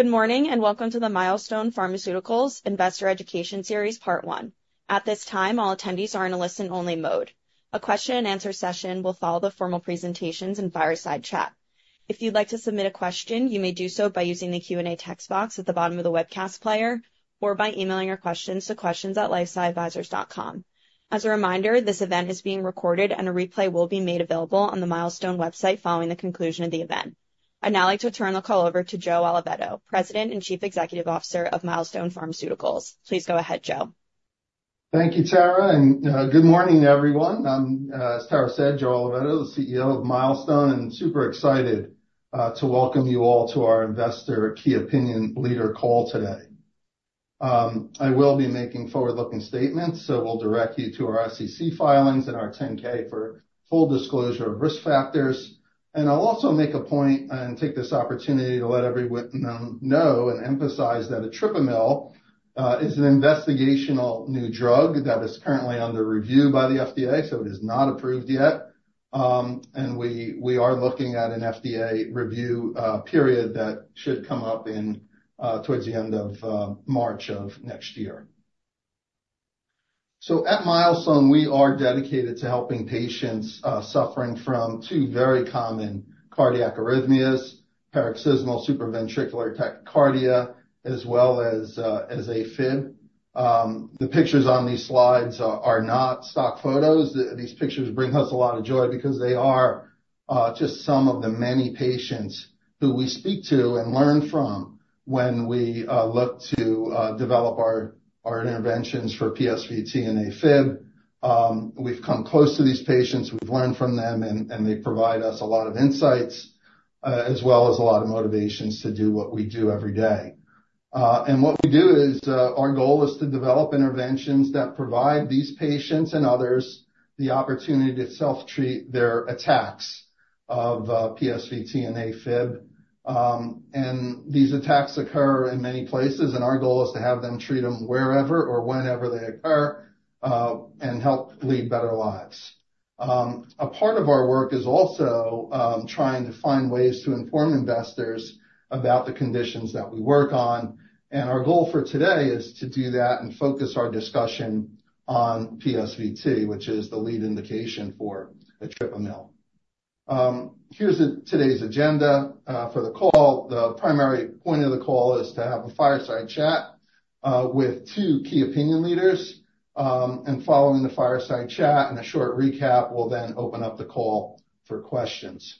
Good morning and welcome to the Milestone Pharmaceuticals Investor Education Series Part One. At this time, all attendees are in a listen-only mode. A question-and-answer session will follow the formal presentations and fireside chat. If you'd like to submit a question, you may do so by using the Q&A text box at the bottom of the webcast player, or by emailing your questions to questions@lifesciadvisors.com. As a reminder, this event is being recorded and a replay will be made available on the Milestone website following the conclusion of the event. I'd now like to turn the call over to Joseph Oliveto, President and Chief Executive Officer of Milestone Pharmaceuticals. Please go ahead, Joe. Thank you, Tara, and good morning everyone. I'm, as Tara said, Joe Oliveto, the CEO of Milestone, and super excited to welcome you all to our investor key opinion leader call today. I will be making forward-looking statements, so we'll direct you to our SEC filings and our 10-K for full disclosure of risk factors. I'll also make a point and take this opportunity to let everyone know and emphasize that etripamil is an investigational new drug that is currently under review by the FDA, so it is not approved yet. We are looking at an FDA review period that should come up towards the end of March of next year. At Milestone, we are dedicated to helping patients suffering from two very common cardiac arrhythmias, paroxysmal supraventricular tachycardia as well as AFib. The pictures on these slides are not stock photos. These pictures bring us a lot of joy because they are just some of the many patients who we speak to and learn from when we look to develop our interventions for PSVT and AFib. We've come close to these patients, we've learned from them, and they provide us a lot of insights, as well as a lot of motivations to do what we do every day. What we do is, our goal is to develop interventions that provide these patients and others the opportunity to self-treat their attacks of PSVT and AFib. These attacks occur in many places, and our goal is to have them treat them wherever or whenever they occur, and help lead better lives. A part of our work is also trying to find ways to inform investors about the conditions that we work on, and our goal for today is to do that and focus our discussion on PSVT, which is the lead indication for etripamil. Here's today's agenda for the call. The primary point of the call is to have a fireside chat with two key opinion leaders. Following the fireside chat and a short recap, we'll then open up the call for questions.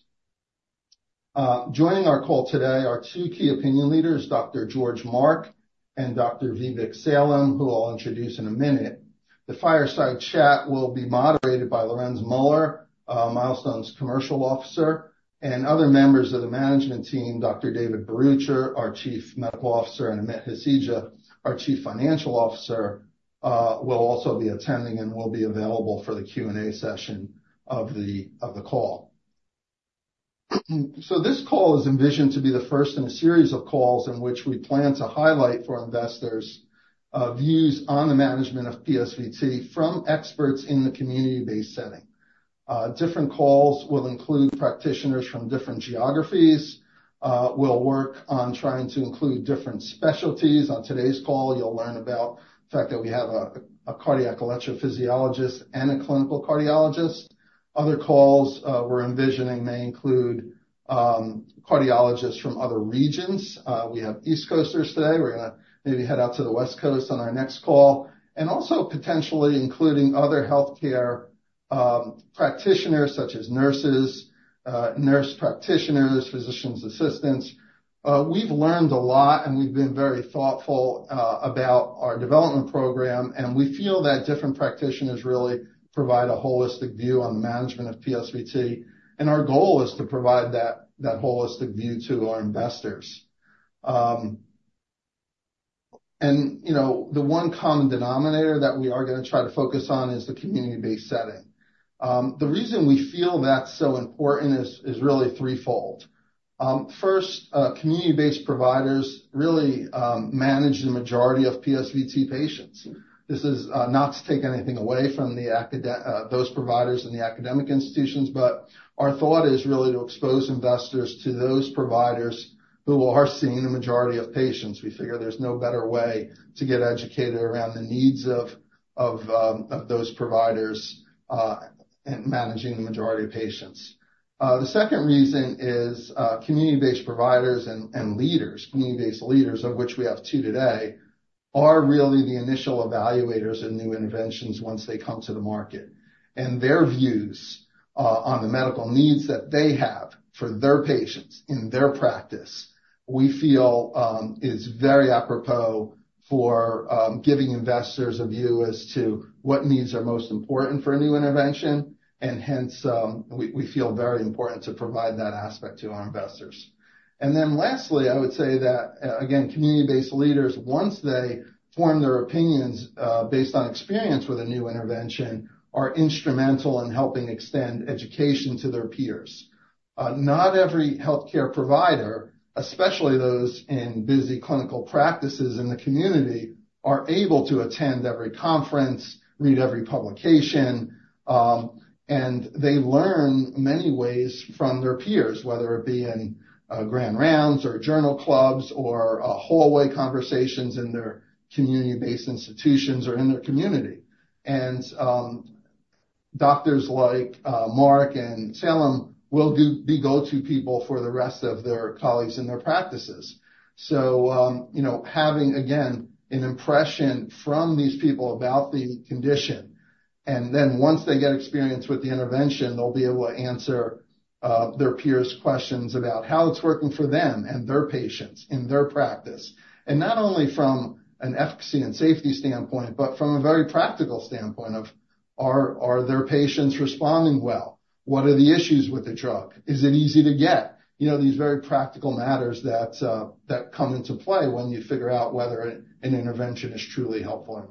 Joining our call today are two key opinion leaders, Dr. George Mark and Dr. Vivek Sailam, who I'll introduce in a minute. The fireside chat will be moderated by Lorenz Muller, Milestone's Chief Commercial Officer, and other members of the management team. Dr. David Bharucha, our Chief Medical Officer, and Amit Hasija, our Chief Financial Officer, will also be attending and will be available for the Q&A session of the call. This call is envisioned to be the first in a series of calls in which we plan to highlight for investors views on the management of PSVT from experts in the community-based setting. Different calls will include practitioners from different geographies. We'll work on trying to include different specialties. On today's call, you'll learn about the fact that we have a cardiac electrophysiologist and a clinical cardiologist. Other calls we're envisioning may include cardiologists from other regions. We have East Coasters today. We're gonna maybe head out to the West Coast on our next call. Also potentially including other healthcare practitioners such as nurses, nurse practitioners, physician assistants. We've learned a lot, and we've been very thoughtful about our development program, and we feel that different practitioners really provide a holistic view on the management of PSVT, and our goal is to provide that holistic view to our investors. The one common denominator that we are gonna try to focus on is the community-based setting. The reason we feel that's so important is really threefold. First, community-based providers really manage the majority of PSVT patients. This is not to take anything away from those providers in the academic institutions, but our thought is really to expose investors to those providers who are seeing the majority of patients. We figure there's no better way to get educated around the needs of those providers in managing the majority of patients. The second reason is community-based providers and leaders, of which we have two today, are really the initial evaluators in new interventions once they come to the market. Their views on the medical needs that they have for their patients in their practice, we feel is very apropos for giving investors a view as to what needs are most important for a new intervention, and hence, we feel very important to provide that aspect to our investors. Lastly, I would say that, again, community-based leaders, once they form their opinions based on experience with a new intervention, are instrumental in helping extend education to their peers. Not every healthcare provider, especially those in busy clinical practices in the community, are able to attend every conference, read every publication, and they learn many ways from their peers, whether it be in grand rounds or journal clubs or hallway conversations in their community-based institutions or in their community. Doctors like Mark and Sailam will be go-to people for the rest of their colleagues in their practices. Having, again, an impression from these people about the condition, and then once they get experience with the intervention, they'll be able to answer their peers' questions about how it's working for them and their patients in their practice. Not only from an efficacy and safety standpoint, but from a very practical standpoint of, are their patients responding well? What are the issues with the drug? Is it easy to get? These very practical matters that come into play when you figure out whether an intervention is truly helpful or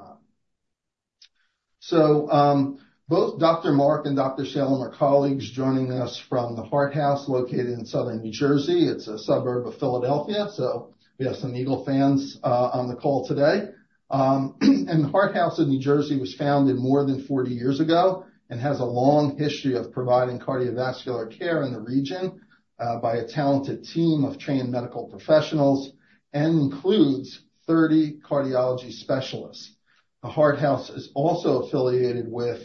not. Both Dr. Mark and Dr. Sailam are colleagues joining us from The Heart House located in Southern New Jersey. It's a suburb of Philadelphia, so we have some Eagle fans on the call today. The Heart House of New Jersey was founded more than 40 years ago and has a long history of providing cardiovascular care in the region, by a talented team of trained medical professionals and includes 30 cardiology specialists. The Heart House is also affiliated with,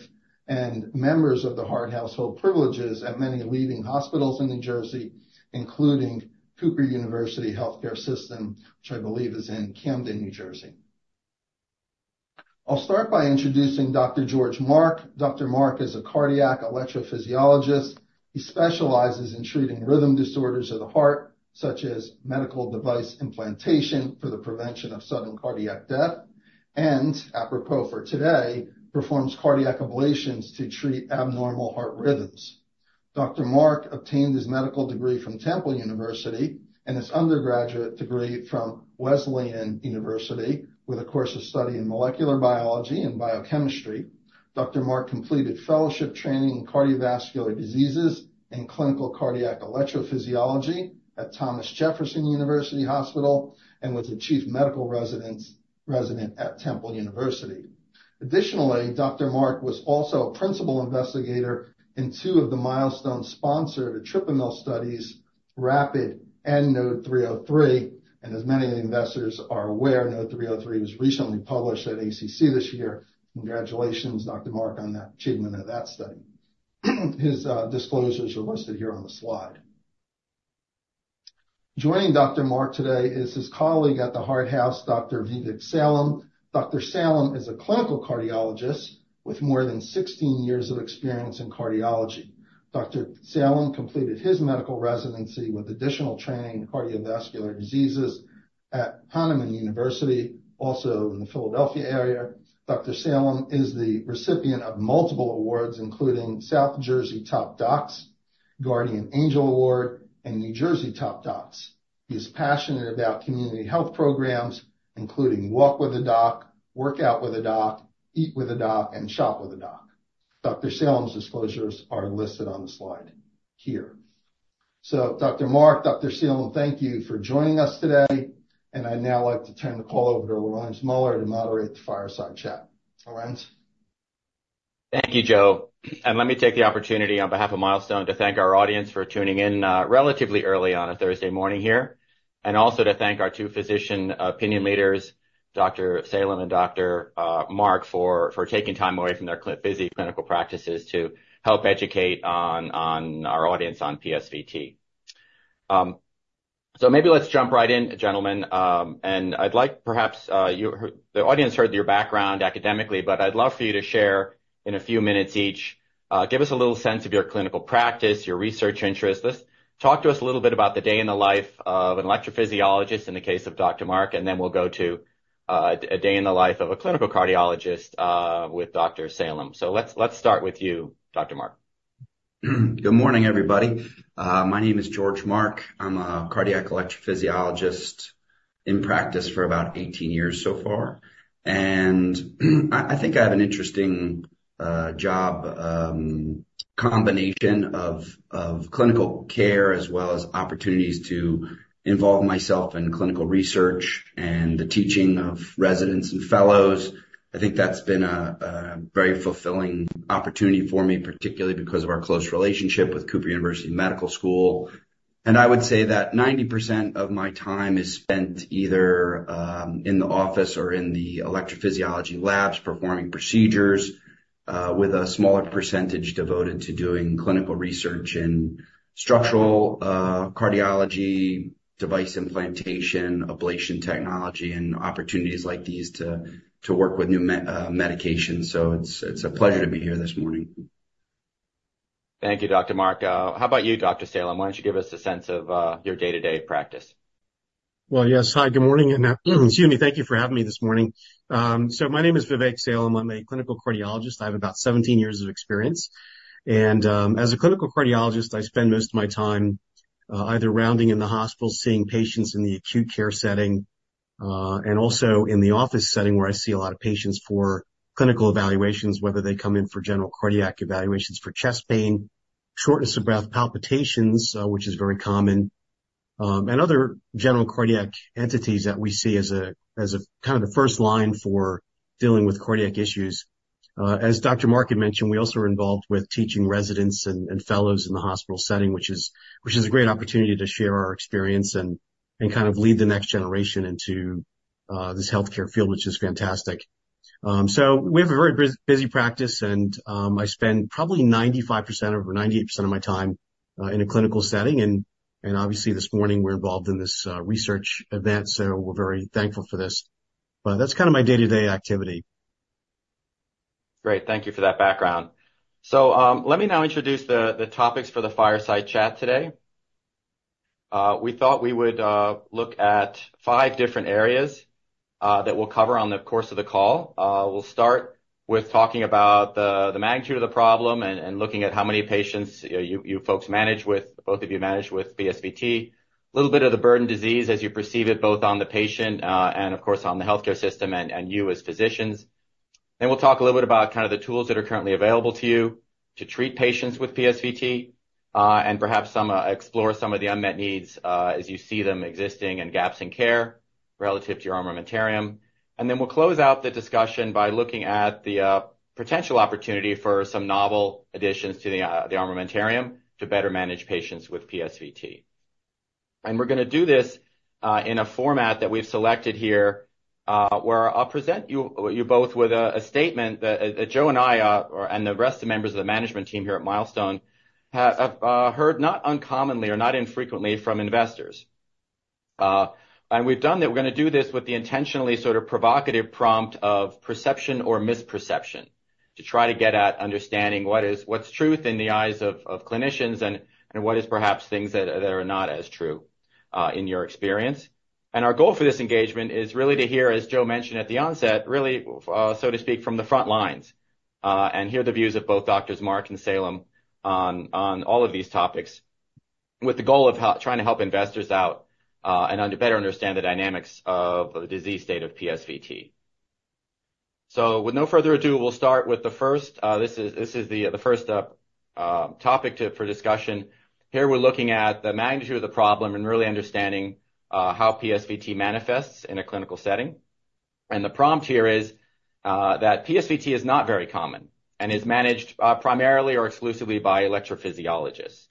and members of The Heart House hold privileges at many leading hospitals in New Jersey, including Cooper University Health Care, which I believe is in Camden, New Jersey. I'll start by introducing Dr. George Mark. Dr. Mark is a cardiac electrophysiologist. He specializes in treating rhythm disorders of the heart, such as medical device implantation for the prevention of sudden cardiac death. Apropos for today, performs cardiac ablations to treat abnormal heart rhythms. Dr. George Mark obtained his medical degree from Temple University and his undergraduate degree from Wesleyan University with a course of study in molecular biology and biochemistry. Dr. George Mark completed fellowship training in cardiovascular diseases and clinical cardiac electrophysiology at Thomas Jefferson University Hospital and was the chief medical resident at Temple University. Additionally, Dr. George Mark was also a principal investigator in two of the Milestone-sponsored etripamil studies, RAPID and NODE-303, and as many investors are aware, NODE-303 was recently published at ACC this year. Congratulations, Dr. George Mark, on that achievement of that study. His disclosures are listed here on the slide. Joining Dr. Mark today is his colleague at The Heart House, Dr. Vivek Sailam. Dr. Sailam is a clinical cardiologist with more than 16 years of experience in cardiology. Dr. Sailam completed his medical residency with additional training in cardiovascular diseases at Hahnemann University, also in the Philadelphia area. Dr. Sailam is the recipient of multiple awards including South Jersey Top Docs, Guardian Angel Award, and New Jersey Top Docs. He is passionate about community health programs including Walk with a Doc, Work out with a Doc, Eat with a Doc, and Shop with a Doc. Dr. Sailam's disclosures are listed on the slide here. Dr. Mark, Dr. Sailam, thank you for joining us today, and I'd now like to turn the call over to Lorenz Muller to moderate the fireside chat. Lorenz. Thank you, Joe. Let me take the opportunity on behalf of Milestone to thank our audience for tuning in relatively early on a Thursday morning here, and also to thank our two physician opinion leaders, Dr. Sailam and Dr. Mark for taking time away from their busy clinical practices to help educate our audience on PSVT. Maybe let's jump right in, gentlemen. The audience heard your background academically, but I'd love for you to share in a few minutes each. Give us a little sense of your clinical practice, your research interests. Talk to us a little bit about the day in the life of an electrophysiologist in the case of Dr. Mark, and then we'll go to a day in the life of a clinical cardiologist, with Dr. Sailam. Let's start with you, Dr. Mark. Good morning, everybody. My name is George Mark. I'm a cardiac electrophysiologist in practice for about 18 years so far. I think I have an interesting job, combination of clinical care as well as opportunities to involve myself in clinical research and the teaching of residents and fellows. I think that's been a very fulfilling opportunity for me, particularly because of our close relationship with Cooper Medical School of Rowan University. I would say that 90% of my time is spent either in the office or in the electrophysiology labs performing procedures, with a smaller percentage devoted to doing clinical research in structural cardiology, device implantation, ablation technology, and opportunities like these to work with new medications. It's a pleasure to be here this morning. Thank you, Dr. Mark. How about you, Dr. Sailam? Why don't you give us a sense of your day-to-day practice? Well, yes. Hi, good morning, and excuse me. Thank you for having me this morning. My name is Vivek Sailam. I'm a clinical cardiologist. I have about 17 years of experience. As a clinical cardiologist, I spend most of my time either rounding in the hospital, seeing patients in the acute care setting, and also in the office setting where I see a lot of patients for clinical evaluations, whether they come in for general cardiac evaluations for chest pain, shortness of breath, palpitations, which is very common, and other general cardiac entities that we see as kind of the first line for dealing with cardiac issues. As Dr. Mark had mentioned, we also are involved with teaching residents and fellows in the hospital setting, which is a great opportunity to share our experience and kind of lead the next generation into this healthcare field, which is fantastic. We have a very busy practice, and I spend probably 95% or 98% of my time in a clinical setting. Obviously this morning, we're involved in this research event, so we're very thankful for this. That's kind of my day-to-day activity. Great. Thank you for that background. Let me now introduce the topics for the fireside chat today. We thought we would look at five different areas that we'll cover over the course of the call. We'll start with talking about the magnitude of the problem and looking at how many patients you folks manage with PSVT, both of you. A little bit of the burden of disease as you perceive it, both on the patient, and of course, on the healthcare system and you as physicians. We'll talk a little bit about kind of the tools that are currently available to you to treat patients with PSVT, and perhaps explore some of the unmet needs, as you see them existing, and gaps in care relative to your armamentarium. Then we'll close out the discussion by looking at the potential opportunity for some novel additions to the armamentarium to better manage patients with PSVT. We're going to do this in a format that we've selected here, where I'll present you both with a statement that Joe and I, and the rest of the members of the management team here at Milestone have heard not uncommonly or not infrequently from investors. We've done that. We're going to do this with the intentionally sort of provocative prompt of perception or misperception to try to get at understanding what's truth in the eyes of clinicians and what is perhaps things that are not as true, in your experience. Our goal for this engagement is really to hear, as Joe mentioned at the onset, really, so to speak, from the front lines, and hear the views of both Doctors Mark and Sailam on all of these topics with the goal of trying to help investors out and better understand the dynamics of the disease state of PSVT. With no further ado, we'll start with the first. This is the first topic for discussion. Here we're looking at the magnitude of the problem and really understanding how PSVT manifests in a clinical setting. The prompt here is that PSVT is not very common and is managed primarily or exclusively by electrophysiologists.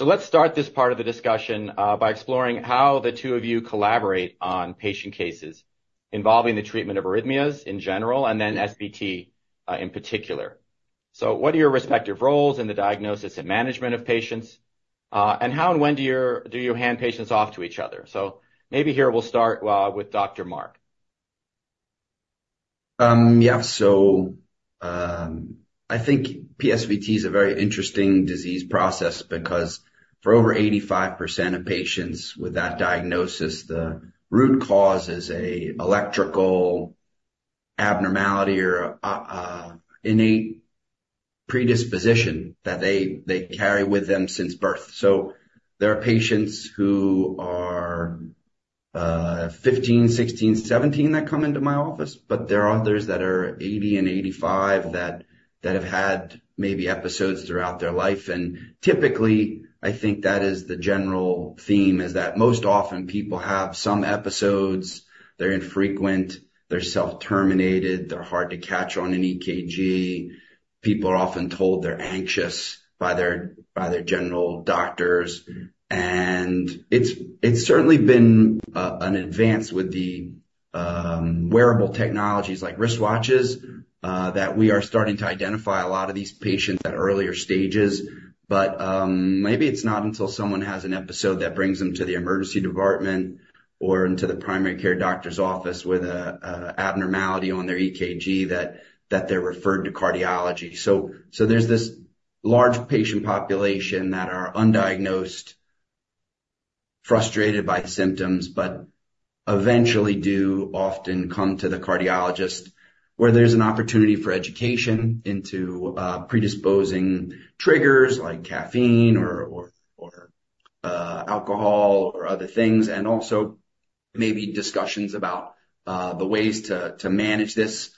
Let's start this part of the discussion by exploring how the two of you collaborate on patient cases involving the treatment of arrhythmias in general and then SVT in particular. What are your respective roles in the diagnosis and management of patients, and how and when do you hand patients off to each other? Maybe here we'll start with Dr. Mark. Yeah. I think PSVT is a very interesting disease process because for over 85% of patients with that diagnosis, the root cause is a electrical abnormality or innate predisposition that they carry with them since birth. There are patients who are 15, 16, 17 that come into my office, but there are others that are 80 and 85 that have had maybe episodes throughout their life. Typically, I think that is the general theme, is that most often people have some episodes, they're infrequent, they're self-terminated, they're hard to catch on an EKG. People are often told they're anxious by their general doctors. It's certainly been an advance with the wearable technologies like wristwatches, that we are starting to identify a lot of these patients at earlier stages. Maybe it's not until someone has an episode that brings them to the emergency department or into the primary care doctor's office with an abnormality on their EKG that they're referred to cardiology. There's this large patient population that are undiagnosed, frustrated by symptoms, but eventually do often come to the cardiologist, where there's an opportunity for education into predisposing triggers like caffeine or alcohol or other things, and also maybe discussions about the ways to manage this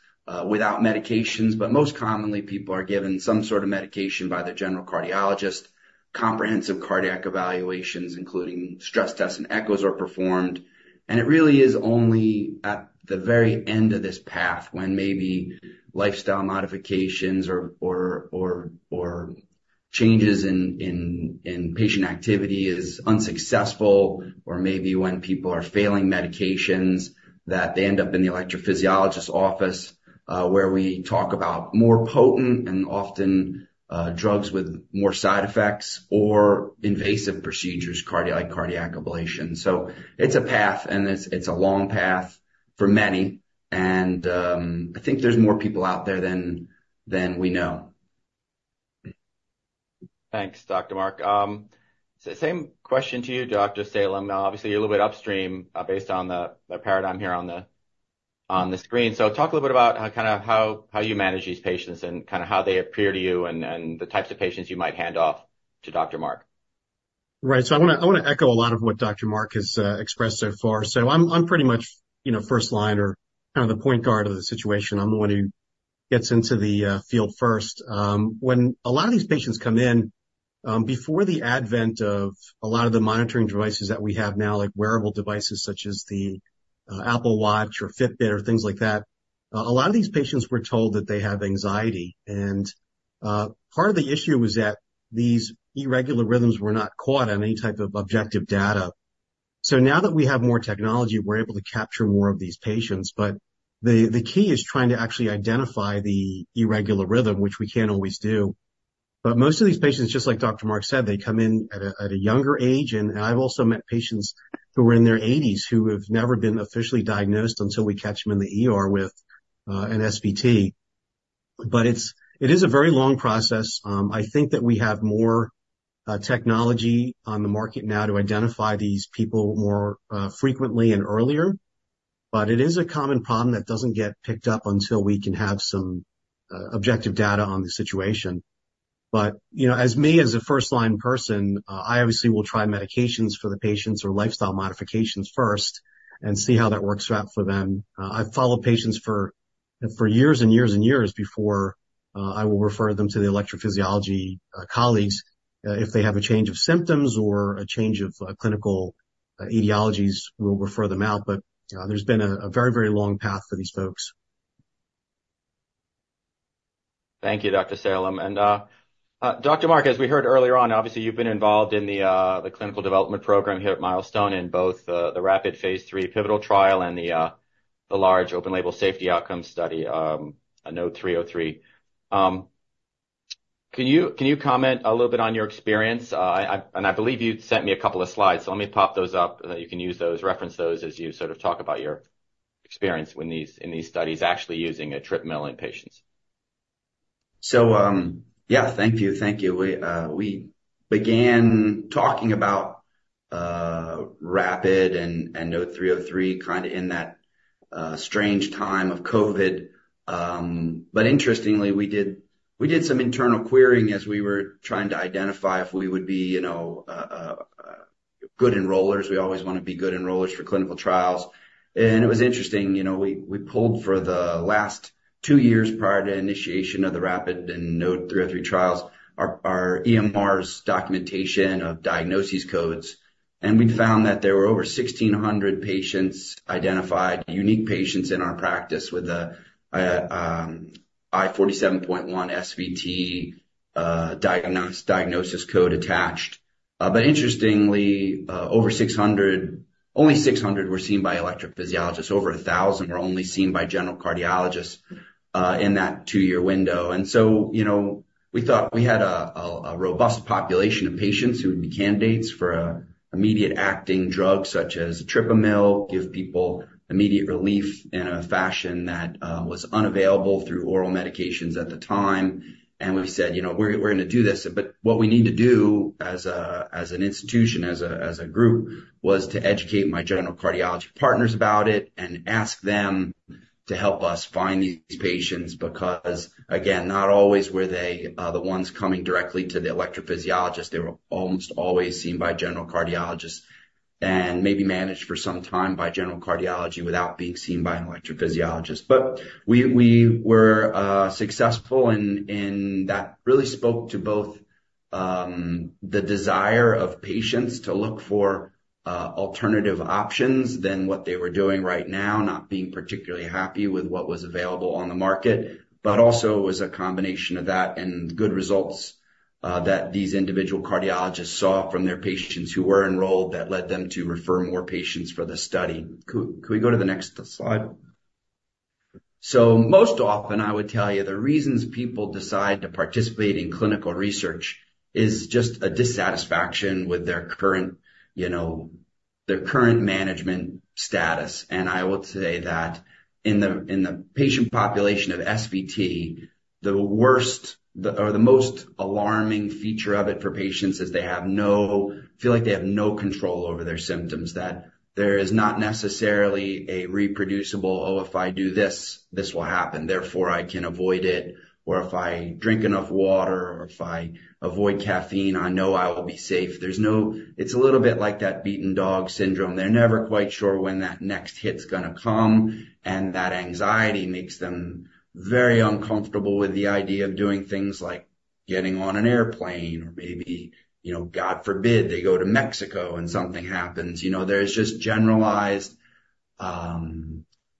without medications. Most commonly, people are given some sort of medication by their general cardiologist. Comprehensive cardiac evaluations, including stress tests and echoes, are performed. It really is only at the very end of this path when maybe lifestyle modifications or changes in patient activity is unsuccessful. Maybe when people are failing medications that they end up in the electrophysiologist office, where we talk about more potent and often drugs with more side effects or invasive procedures like cardiac ablation. It's a path, and it's a long path for many, and I think there's more people out there than we know. Thanks, Dr. Mark. Same question to you, Dr. Sailam. Now, obviously, you're a little bit upstream, based on the paradigm here on the screen. Talk a little bit about how you manage these patients and how they appear to you and the types of patients you might hand off to Dr. Mark. Right. I want to echo a lot of what Dr. Mark has expressed so far. I'm pretty much first line or kind of the point guard of the situation. I'm the one who gets into the field first. When a lot of these patients come in, before the advent of a lot of the monitoring devices that we have now, like wearable devices such as the Apple Watch or Fitbit or things like that. A lot of these patients were told that they have anxiety, and part of the issue was that these irregular rhythms were not caught on any type of objective data. Now that we have more technology, we're able to capture more of these patients. The key is trying to actually identify the irregular rhythm, which we can't always do. Most of these patients, just like Dr. Mark said, they come in at a younger age. I've also met patients who are in their 80s who have never been officially diagnosed until we catch them in the ER with an SVT. It is a very long process. I think that we have more technology on the market now to identify these people more frequently and earlier. It is a common problem that doesn't get picked up until we can have some objective data on the situation. As for me, as a first-line person, I obviously will try medications for the patients or lifestyle modifications first and see how that works out for them. I follow patients for years and years and years before I will refer them to the electrophysiology colleagues. If they have a change of symptoms or a change of clinical etiologies, we'll refer them out. There's been a very, very long path for these folks. Thank you, Dr. Vivek Sailam. Dr. George Mark, as we heard earlier on, obviously, you've been involved in the clinical development program here at Milestone in both the RAPID phase III pivotal trial and the large open label safety outcome study, NODE-303. Can you comment a little bit on your experience? I believe you sent me a couple of slides, so let me pop those up, and you can use those, reference those as you sort of talk about your experience in these studies, actually using etripamil in patients. Yeah. Thank you. We began talking about RAPID and NODE-303 kind of in that strange time of COVID. Interestingly, we did some internal querying as we were trying to identify if we would be good enrollers. We always want to be good enrollers for clinical trials. It was interesting. We pulled for the last two years prior to initiation of the RAPID and NODE-303 trials, our EMR's documentation of diagnosis codes, and we found that there were over 1,600 patients identified, unique patients in our practice with a I47.1 SVT diagnosis code attached. Interestingly only 600 were seen by electrophysiologists. Over 1,000 were only seen by general cardiologists in that two-year window. We thought we had a robust population of patients who would be candidates for immediate acting drugs such as etripamil, give people immediate relief in a fashion that was unavailable through oral medications at the time. We said, we're going to do this. What we need to do as an institution, as a group, was to educate my general cardiology partners about it and ask them to help us find these patients. Because, again, not always were they the ones coming directly to the electrophysiologist. They were almost always seen by general cardiologists and maybe managed for some time by general cardiology without being seen by an electrophysiologist. We were successful and that really spoke to both the desire of patients to look for alternative options than what they were doing right now, not being particularly happy with what was available on the market. it was a combination of that and good results that these individual cardiologists saw from their patients who were enrolled that led them to refer more patients for the study. Could we go to the next slide? most often, I would tell you the reasons people decide to participate in clinical research is just a dissatisfaction with their current management status. I will say that in the patient population of SVT, the worst or the most alarming feature of it for patients is they feel like they have no control over their symptoms, that there is not necessarily a reproducible, oh, if I do this will happen, therefore I can avoid it. Or, if I drink enough water, or, if I avoid caffeine, I know I will be safe. It's a little bit like that beaten dog syndrome. They're never quite sure when that next hit's gonna come, and that anxiety makes them very uncomfortable with the idea of doing things like getting on an airplane or maybe, God forbid, they go to Mexico and something happens. There's just generalized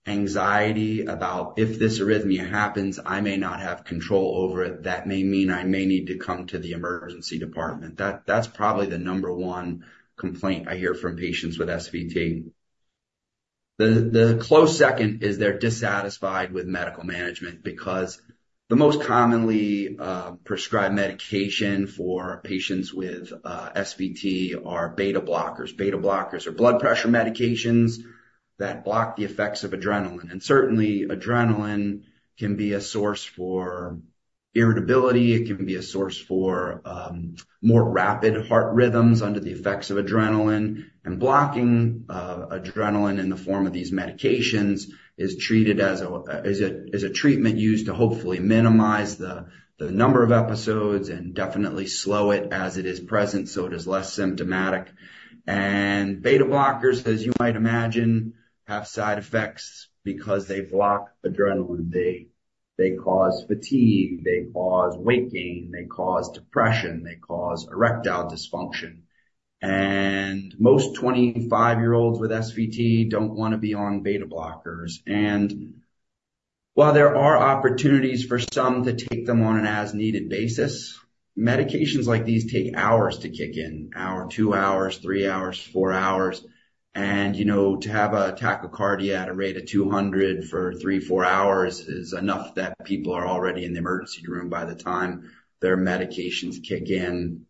anxiety about, if this arrhythmia happens, I may not have control over it. That may mean I may need to come to the emergency department. That's probably the number one complaint I hear from patients with SVT. The close second is they're dissatisfied with medical management because the most commonly prescribed medication for patients with SVT are beta blockers. Beta blockers are blood pressure medications that block the effects of adrenaline. Certainly adrenaline can be a source for irritability. It can be a source for more rapid heart rhythms under the effects of adrenaline, and blocking adrenaline in the form of these medications is a treatment used to hopefully minimize the number of episodes and definitely slow it as it is present, so it is less symptomatic. Beta blockers, as you might imagine, have side effects because they block adrenaline. They cause fatigue, they cause weight gain, they cause depression, they cause erectile dysfunction. Most 25-year-olds with SVT don't want to be on beta blockers. While there are opportunities for some to take them on an as-needed basis, medications like these take hours to kick in, hour, two hours, three hours, four hours. To have a tachycardia at a rate of 200 for three, four hours is enough that people are already in the emergency room by the time their medications kick in.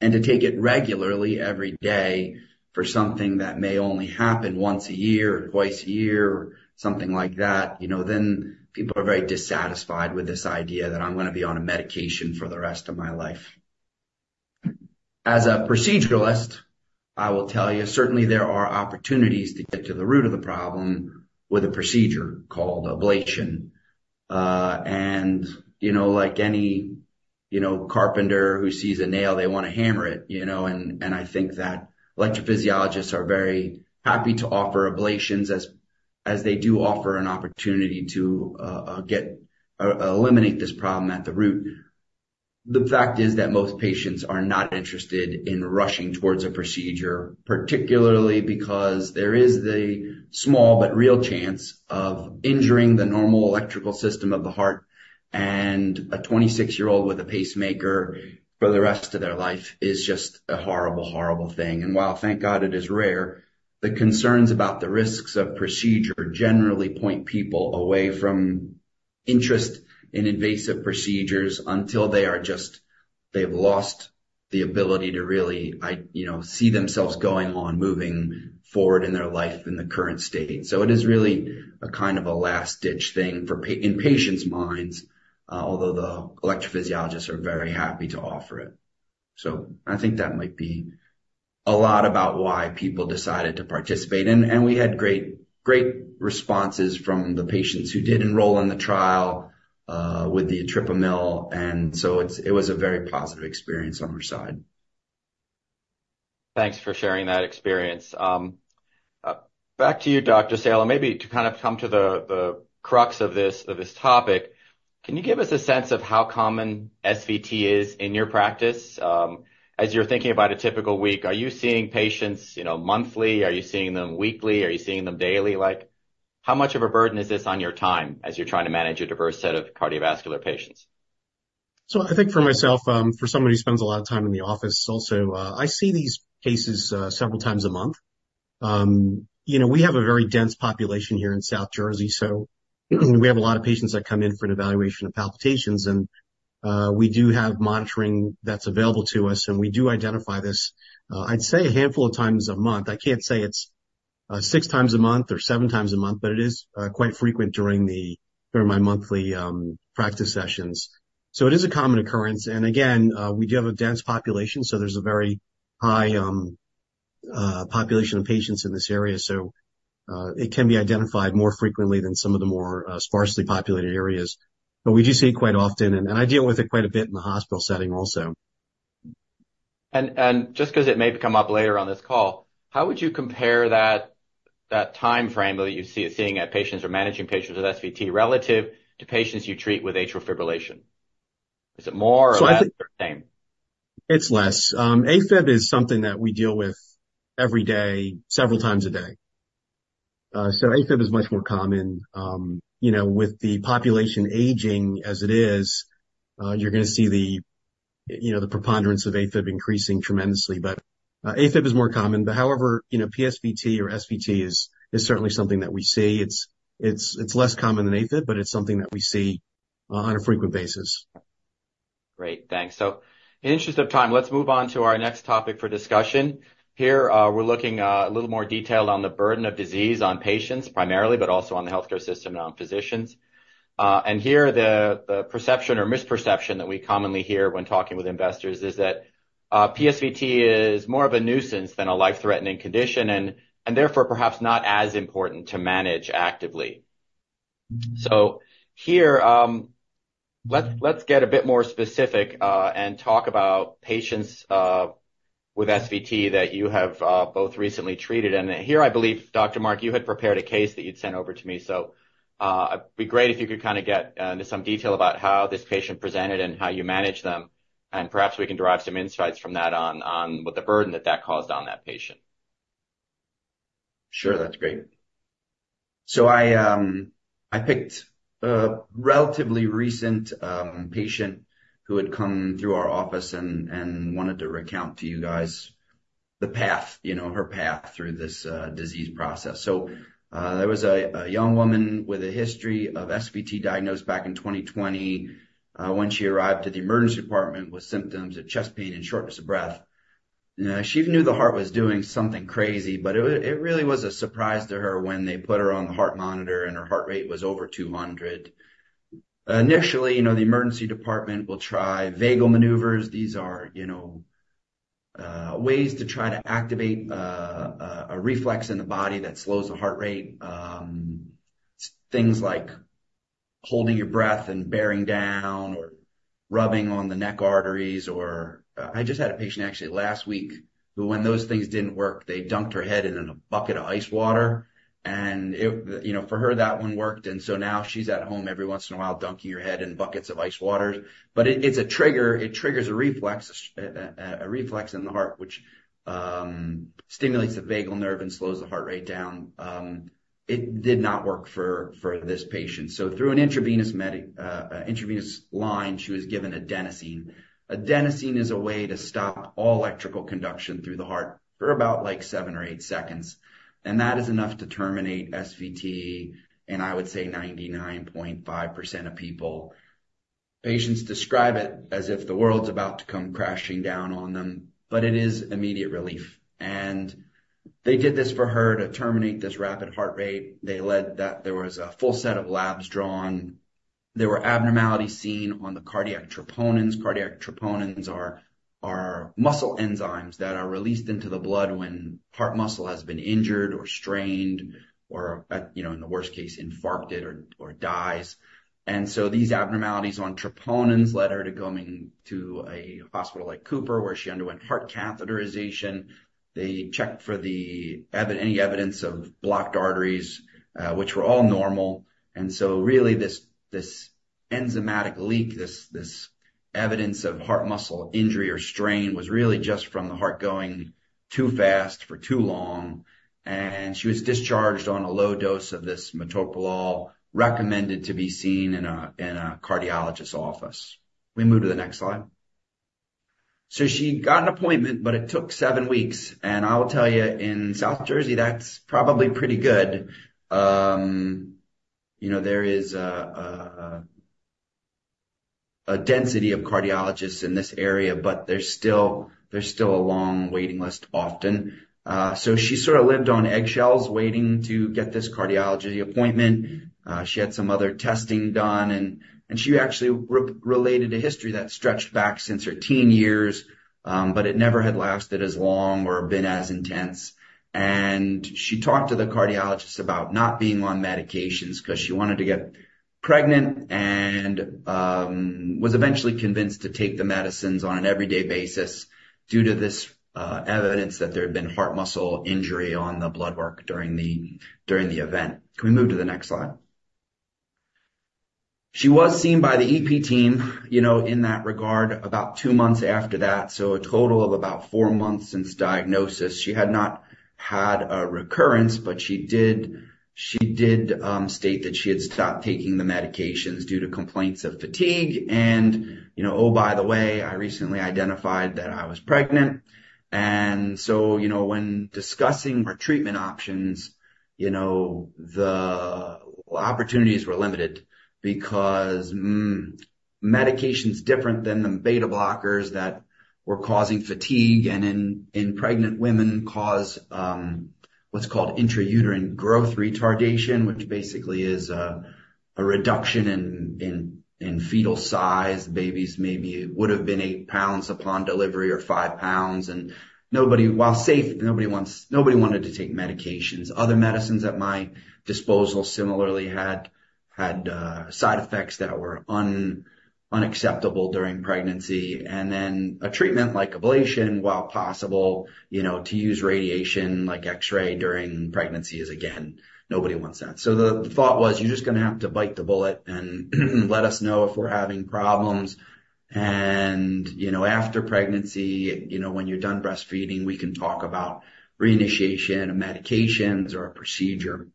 To take it regularly every day for something that may only happen once a year or twice a year or something like that, then people are very dissatisfied with this idea that I'm going to be on a medication for the rest of my life. As a proceduralist, I will tell you, certainly there are opportunities to get to the root of the problem with a procedure called ablation. Like any carpenter who sees a nail, they want to hammer it. I think that electrophysiologists are very happy to offer ablations as they do offer an opportunity to eliminate this problem at the root. The fact is that most patients are not interested in rushing towards a procedure, particularly because there is the small but real chance of injuring the normal electrical system of the heart. A 26-year-old with a pacemaker for the rest of their life is just a horrible thing. While thank God it is rare, the concerns about the risks of procedure generally point people away from interest in invasive procedures until they've lost the ability to really see themselves going on, moving forward in their life in the current state. It is really a kind of a last-ditch thing in patients' minds, although the electrophysiologists are very happy to offer it. I think that might be a lot about why people decided to participate, and we had great responses from the patients who did enroll in the trial with the etripamil. It was a very positive experience on our side. Thanks for sharing that experience. Back to you, Dr. Sailam. Maybe to kind of come to the crux of this topic, can you give us a sense of how common SVT is in your practice? As you're thinking about a typical week, are you seeing patients monthly? Are you seeing them weekly? Are you seeing them daily? How much of a burden is this on your time as you're trying to manage your diverse set of cardiovascular patients? I think for myself, for someone who spends a lot of time in the office also, I see these cases several times a month. We have a very dense population here in South Jersey, so we have a lot of patients that come in for an evaluation of palpitations. we do have monitoring that's available to us, and we do identify this, I'd say a handful of times a month. I can't say it's six times a month or seven times a month, but it is quite frequent during my monthly practice sessions. it is a common occurrence. again, we do have a dense population, so there's a very high population of patients in this area. it can be identified more frequently than some of the more sparsely populated areas. We do see it quite often, and I deal with it quite a bit in the hospital setting also. Just because it may come up later on this call, how would you compare that timeframe that you're seeing at patients or managing patients with SVT relative to patients you treat with atrial fibrillation? Is it more or less the same? It's less. AFib is something that we deal with every day, several times a day. AFib is much more common. With the population aging as it is, you're going to see the preponderance of AFib increasing tremendously. AFib is more common, but however, PSVT or SVT is certainly something that we see. It's less common than AFib, but it's something that we see on a frequent basis. Great. Thanks. In the interest of time, let's move on to our next topic for discussion. Here, we're looking a little more detailed on the burden of disease on patients primarily, but also on the healthcare system and on physicians. Here the perception or misperception that we commonly hear when talking with investors is that PSVT is more of a nuisance than a life-threatening condition, and therefore perhaps not as important to manage actively. Here, let's get a bit more specific and talk about patients with SVT that you have both recently treated. Here, I believe, Dr. Mark, you had prepared a case that you'd sent over to me. It'd be great if you could kind of get into some detail about how this patient presented and how you managed them, and perhaps we can derive some insights from that on the burden that that caused on that patient. Sure. That's great. I picked a relatively recent patient who had come through our office and wanted to recount to you guys her path through this disease process. There was a young woman with a history of SVT diagnosed back in 2020 when she arrived at the emergency department with symptoms of chest pain and shortness of breath. She knew the heart was doing something crazy, but it really was a surprise to her when they put her on the heart monitor and her heart rate was over 200. Initially, the emergency department will try vagal maneuvers. These are ways to try to activate a reflex in the body that slows the heart rate. Things like holding your breath and bearing down or rubbing on the neck arteries or. I just had a patient actually last week, who when those things didn't work, they dunked her head in a bucket of ice water, and for her, that one worked. Now she's at home every once in a while, dunking her head in buckets of ice water. It's a trigger. It triggers a reflex in the heart, which stimulates the vagus nerve and slows the heart rate down. It did not work for this patient. Through an intravenous line, she was given adenosine. Adenosine is a way to stop all electrical conduction through the heart for about seven or eight seconds, and that is enough to terminate SVT in, I would say, 99.5% of people. Patients describe it as if the world's about to come crashing down on them, but it is immediate relief. They did this for her to terminate this rapid heart rate. They said that there was a full set of labs drawn. There were abnormalities seen on the cardiac troponins. Cardiac troponins are muscle enzymes that are released into the blood when heart muscle has been injured or strained, or in the worst case, infarcted or dies. These abnormalities on troponins led her to going to a hospital like Cooper, where she underwent heart catheterization. They checked for any evidence of blocked arteries, which were all normal. Really this enzymatic leak, this evidence of heart muscle injury or strain was really just from the heart going too fast for too long. She was discharged on a low dose of this metoprolol, recommended to be seen in a cardiologist's office. Can we move to the next slide? She got an appointment, but it took seven weeks, and I'll tell you, in South Jersey, that's probably pretty good. There is a density of cardiologists in this area, but there's still a long waiting list often. She sort of lived on eggshells waiting to get this cardiology appointment. She had some other testing done, and she actually related a history that stretched back since her teen years, but it never had lasted as long or been as intense. She talked to the cardiologist about not being on medications because she wanted to get pregnant, and was eventually convinced to take the medicines on an everyday basis due to this evidence that there had been heart muscle injury on the blood work during the event. Can we move to the next slide? She was seen by the EP team in that regard about two months after that, so a total of about four months since diagnosis. She had not had a recurrence, but she did state that she had stopped taking the medications due to complaints of fatigue and, oh, by the way, I recently identified that I was pregnant. When discussing her treatment options, the opportunities were limited because medication's different than the beta blockers that were causing fatigue, and in pregnant women cause what's called intrauterine growth retardation, which basically is a reduction in fetal size. The babies maybe would've been eight pounds upon delivery or five pounds, and while safe, nobody wanted to take medications. Other medicines at my disposal similarly had side effects that were unacceptable during pregnancy. A treatment like ablation, while possible, to use radiation like X-ray during pregnancy is again, nobody wants that. The thought was, you're just going to have to bite the bullet and let us know if we're having problems. After pregnancy, when you're done breastfeeding, we can talk about reinitiation of medications or a procedure.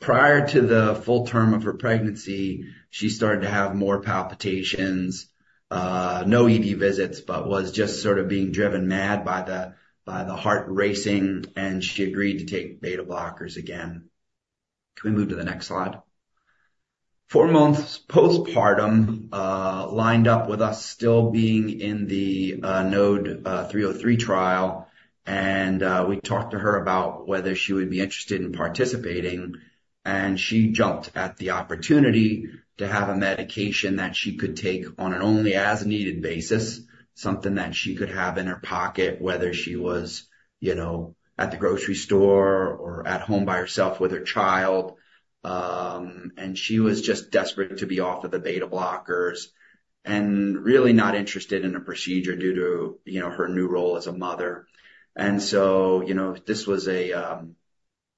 Prior to the full term of her pregnancy, she started to have more palpitations, no ED visits, but she was just sort of being driven mad by the heart racing, and she agreed to take beta blockers again. Can we move to the next slide? Four months postpartum, lined up with us still being in the NODE-303 trial, and we talked to her about whether she would be interested in participating, and she jumped at the opportunity to have a medication that she could take on an only as needed basis, something that she could have in her pocket, whether she was at the grocery store or at home by herself with her child. She was just desperate to be off of the beta blockers and really not interested in a procedure due to her new role as a mother. This was an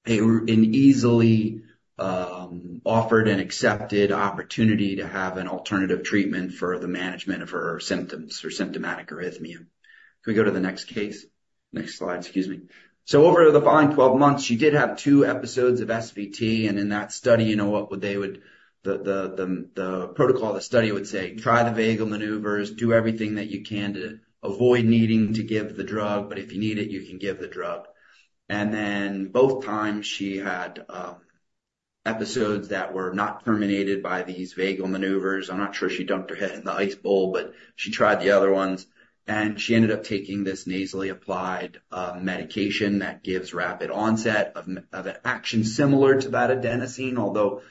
easily offered and accepted opportunity to have an alternative treatment for the management of her symptoms or symptomatic arrhythmia. Can we go to the next case? Next slide. Excuse me. Over the following 12 months, she did have two episodes of SVT. In that study, the protocol of the study would say, try the vagal maneuvers, do everything that you can to avoid needing to give the drug. If you need it, you can give the drug. Then both times she had episodes that were not terminated by these vagal maneuvers. I'm not sure she dunked her head in the ice bowl, but she tried the other ones, and she ended up taking this nasally applied medication that gives rapid onset of an action similar to that adenosine, although,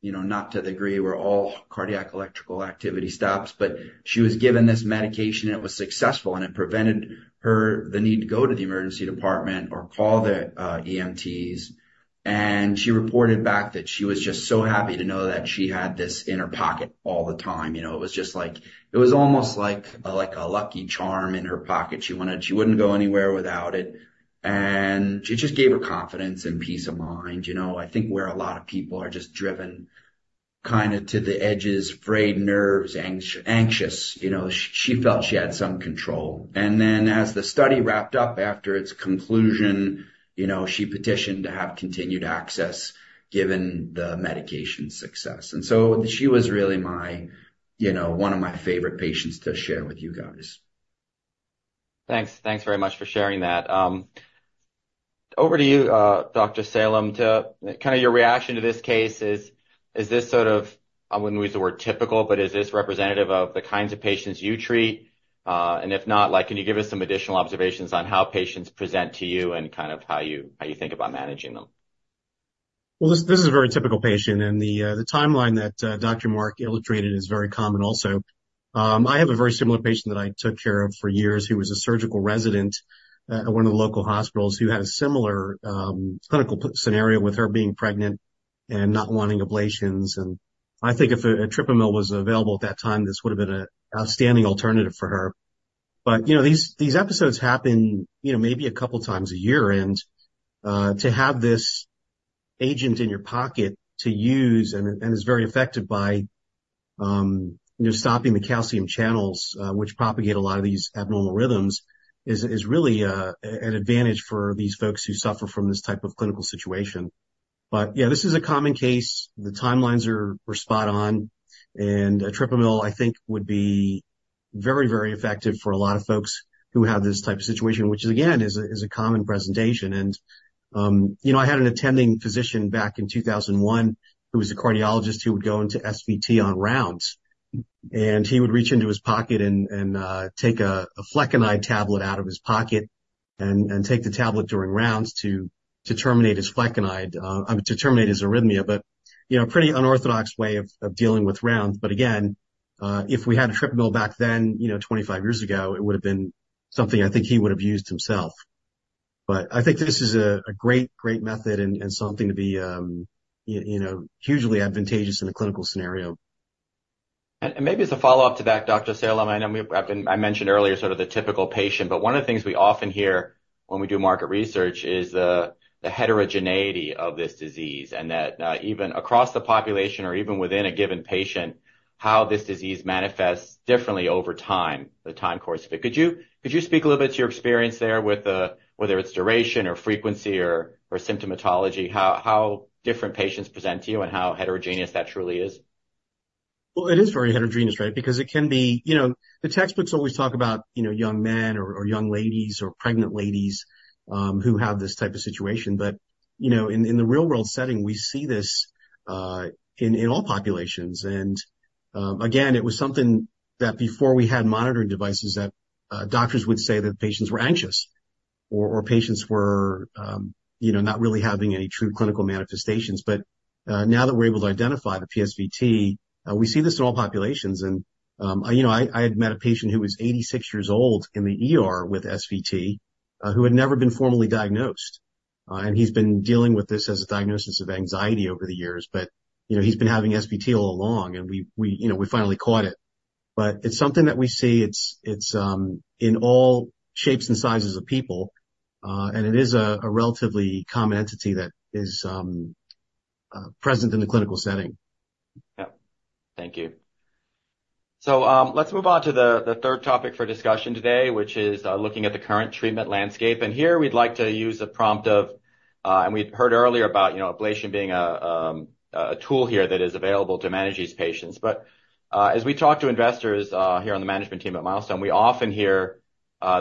you know, not to the degree where all cardiac electrical activity stops, but she was given this medication, and it was successful, and it prevented her the need to go to the emergency department or call the EMTs. She reported back that she was just so happy to know that she had this in her pocket all the time. It was almost like a lucky charm in her pocket. She wouldn't go anywhere without it. It just gave her confidence and peace of mind. I think where a lot of people are just driven kind of to the edges, frayed nerves, anxious, she felt she had some control. As the study wrapped up after its conclusion, she petitioned to have continued access given the medication's success. She was really one of my favorite patients to share with you guys. Thanks. Thanks very much for sharing that. Over to you, Dr. Sailam, to kind of your reaction to this case. Is this sort of, I wouldn't use the word typical, but is this representative of the kinds of patients you treat? And if not, can you give us some additional observations on how patients present to you and kind of how you think about managing them? Well, this is a very typical patient, and the timeline that Dr. George Mark illustrated is very common also. I have a very similar patient that I took care of for years who was a surgical resident at one of the local hospitals who had a similar clinical scenario with her being pregnant and not wanting ablations. I think if etripamil was available at that time, this would have been an outstanding alternative for her. These episodes happen maybe a couple times a year, and to have this agent in your pocket to use and is very effective by stopping the calcium channels, which propagate a lot of these abnormal rhythms, is really an advantage for these folks who suffer from this type of clinical situation. Yeah, this is a common case. The timelines were spot on, and etripamil, I think would be very, very effective for a lot of folks who have this type of situation, which again, is a common presentation. I had an attending physician back in 2001 who was a cardiologist who would go into SVT on rounds, and he would reach into his pocket and take a flecainide tablet out of his pocket and take the tablet during rounds to terminate his arrhythmia. A pretty unorthodox way of dealing with rounds. Again, if we had etripamil back then, 25 years ago, it would have been something I think he would have used himself. I think this is a great method and something to be hugely advantageous in the clinical scenario. Maybe as a follow-up to that, Dr. Sailam, I know I mentioned earlier sort of the typical patient, but one of the things we often hear when we do market research is the heterogeneity of this disease and that even across the population or even within a given patient, how this disease manifests differently over time, the time course of it. Could you speak a little bit to your experience there with whether it's duration or frequency or symptomatology, how different patients present to you and how heterogeneous that truly is? Well, it is very heterogeneous, right? Because the textbooks always talk about young men or young ladies or pregnant ladies who have this type of situation. In the real-world setting, we see this in all populations. Again, it was something that before we had monitoring devices that doctors would say that patients were anxious or patients were not really having any true clinical manifestations. Now that we're able to identify the PSVT, we see this in all populations. I had met a patient who was 86 years old in the ER with SVT who had never been formally diagnosed. He's been dealing with this as a diagnosis of anxiety over the years. He's been having SVT all along, and we finally caught it. It's something that we see. It's in all shapes and sizes of people, and it is a relatively common entity that is present in the clinical setting. Yeah. Thank you. Let's move on to the third topic for discussion today, which is looking at the current treatment landscape. We'd heard earlier about ablation being a tool here that is available to manage these patients. As we talk to investors here on the management team at Milestone, we often hear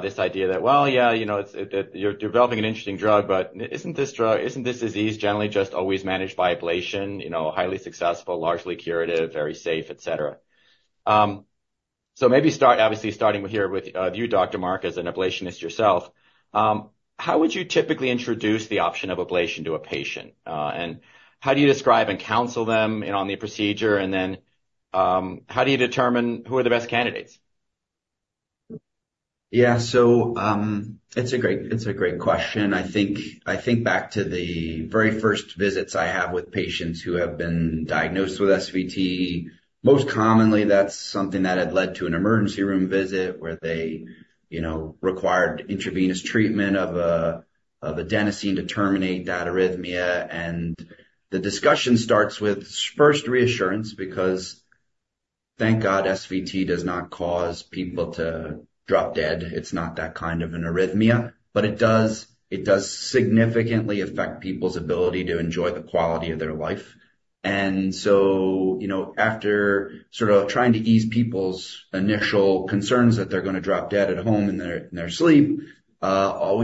this idea that, well, yeah, you're developing an interesting drug, but isn't this disease generally just always managed by ablation? Highly successful, largely curative, very safe, et cetera. Maybe obviously starting here with you, Dr. George Mark, as an ablationist yourself, how would you typically introduce the option of ablation to a patient? How do you describe and counsel them on the procedure? Then, how do you determine who are the best candidates? Yeah. It's a great question. I think back to the very first visits I have with patients who have been diagnosed with SVT. Most commonly, that's something that had led to an emergency room visit where they required intravenous treatment of adenosine to terminate that arrhythmia. The discussion starts with first reassurance, because thank God, SVT does not cause people to drop dead. It's not that kind of an arrhythmia, but it does significantly affect people's ability to enjoy the quality of their life. After sort of trying to ease people's initial concerns that they're going to drop dead at home in their sleep, we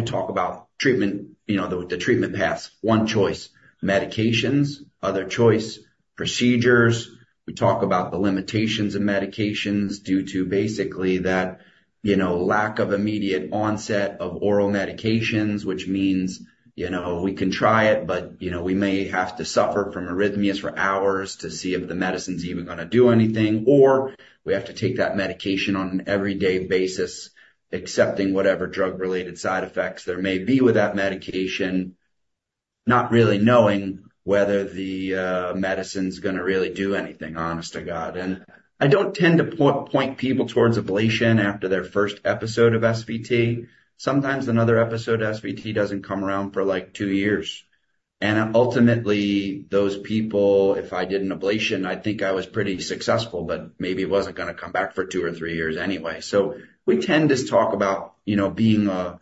talk about the treatment paths. One choice, medications. Other choice, procedures. We talk about the limitations of medications due to basically that lack of immediate onset of oral medications, which means we can try it, but we may have to suffer from arrhythmias for hours to see if the medicine's even going to do anything. Or we have to take that medication on an every day basis, accepting whatever drug-related side effects there may be with that medication, not really knowing whether the medicine's going to really do anything, honest to God. I don't tend to point people towards ablation after their first episode of SVT. Sometimes another episode of SVT doesn't come around for two years. Ultimately, those people, if I did an ablation, I'd think I was pretty successful, but maybe it wasn't going to come back for two or three years anyway. We tend to talk about being a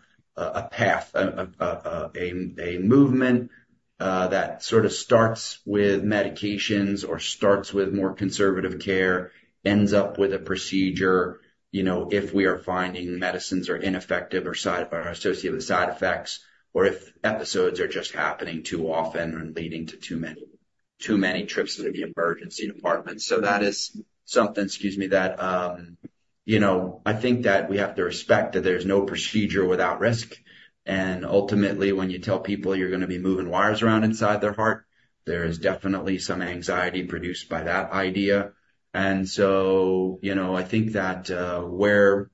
path, a movement that sort of starts with medications or starts with more conservative care, ends up with a procedure, if we are finding medicines are ineffective or are associated with side effects, or if episodes are just happening too often and leading to too many trips to the emergency department. That is something, excuse me, that I think that we have to respect, that there's no procedure without risk. Ultimately, when you tell people you're going to be moving wires around inside their heart, there is definitely some anxiety produced by that idea. I think that where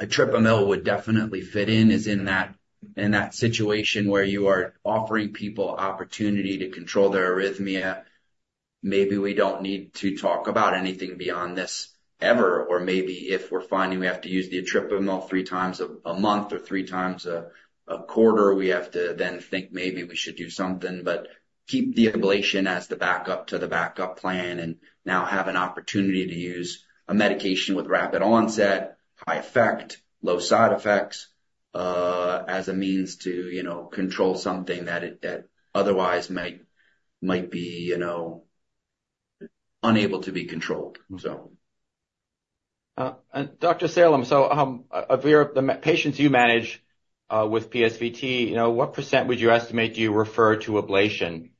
etripamil would definitely fit in is in that situation where you are offering people opportunity to control their arrhythmia. Maybe we don't need to talk about anything beyond this ever. Maybe if we're finding we have to use the etripamil 3x a month or 3x a quarter, we have to then think maybe we should do something. Keep the ablation as the backup to the backup plan, and now have an opportunity to use a medication with rapid onset, high effect, low side effects, as a means to control something that otherwise might be unable to be controlled. Dr. Sailam, so of the patients you manage with PSVT, what % would you estimate do you refer to ablation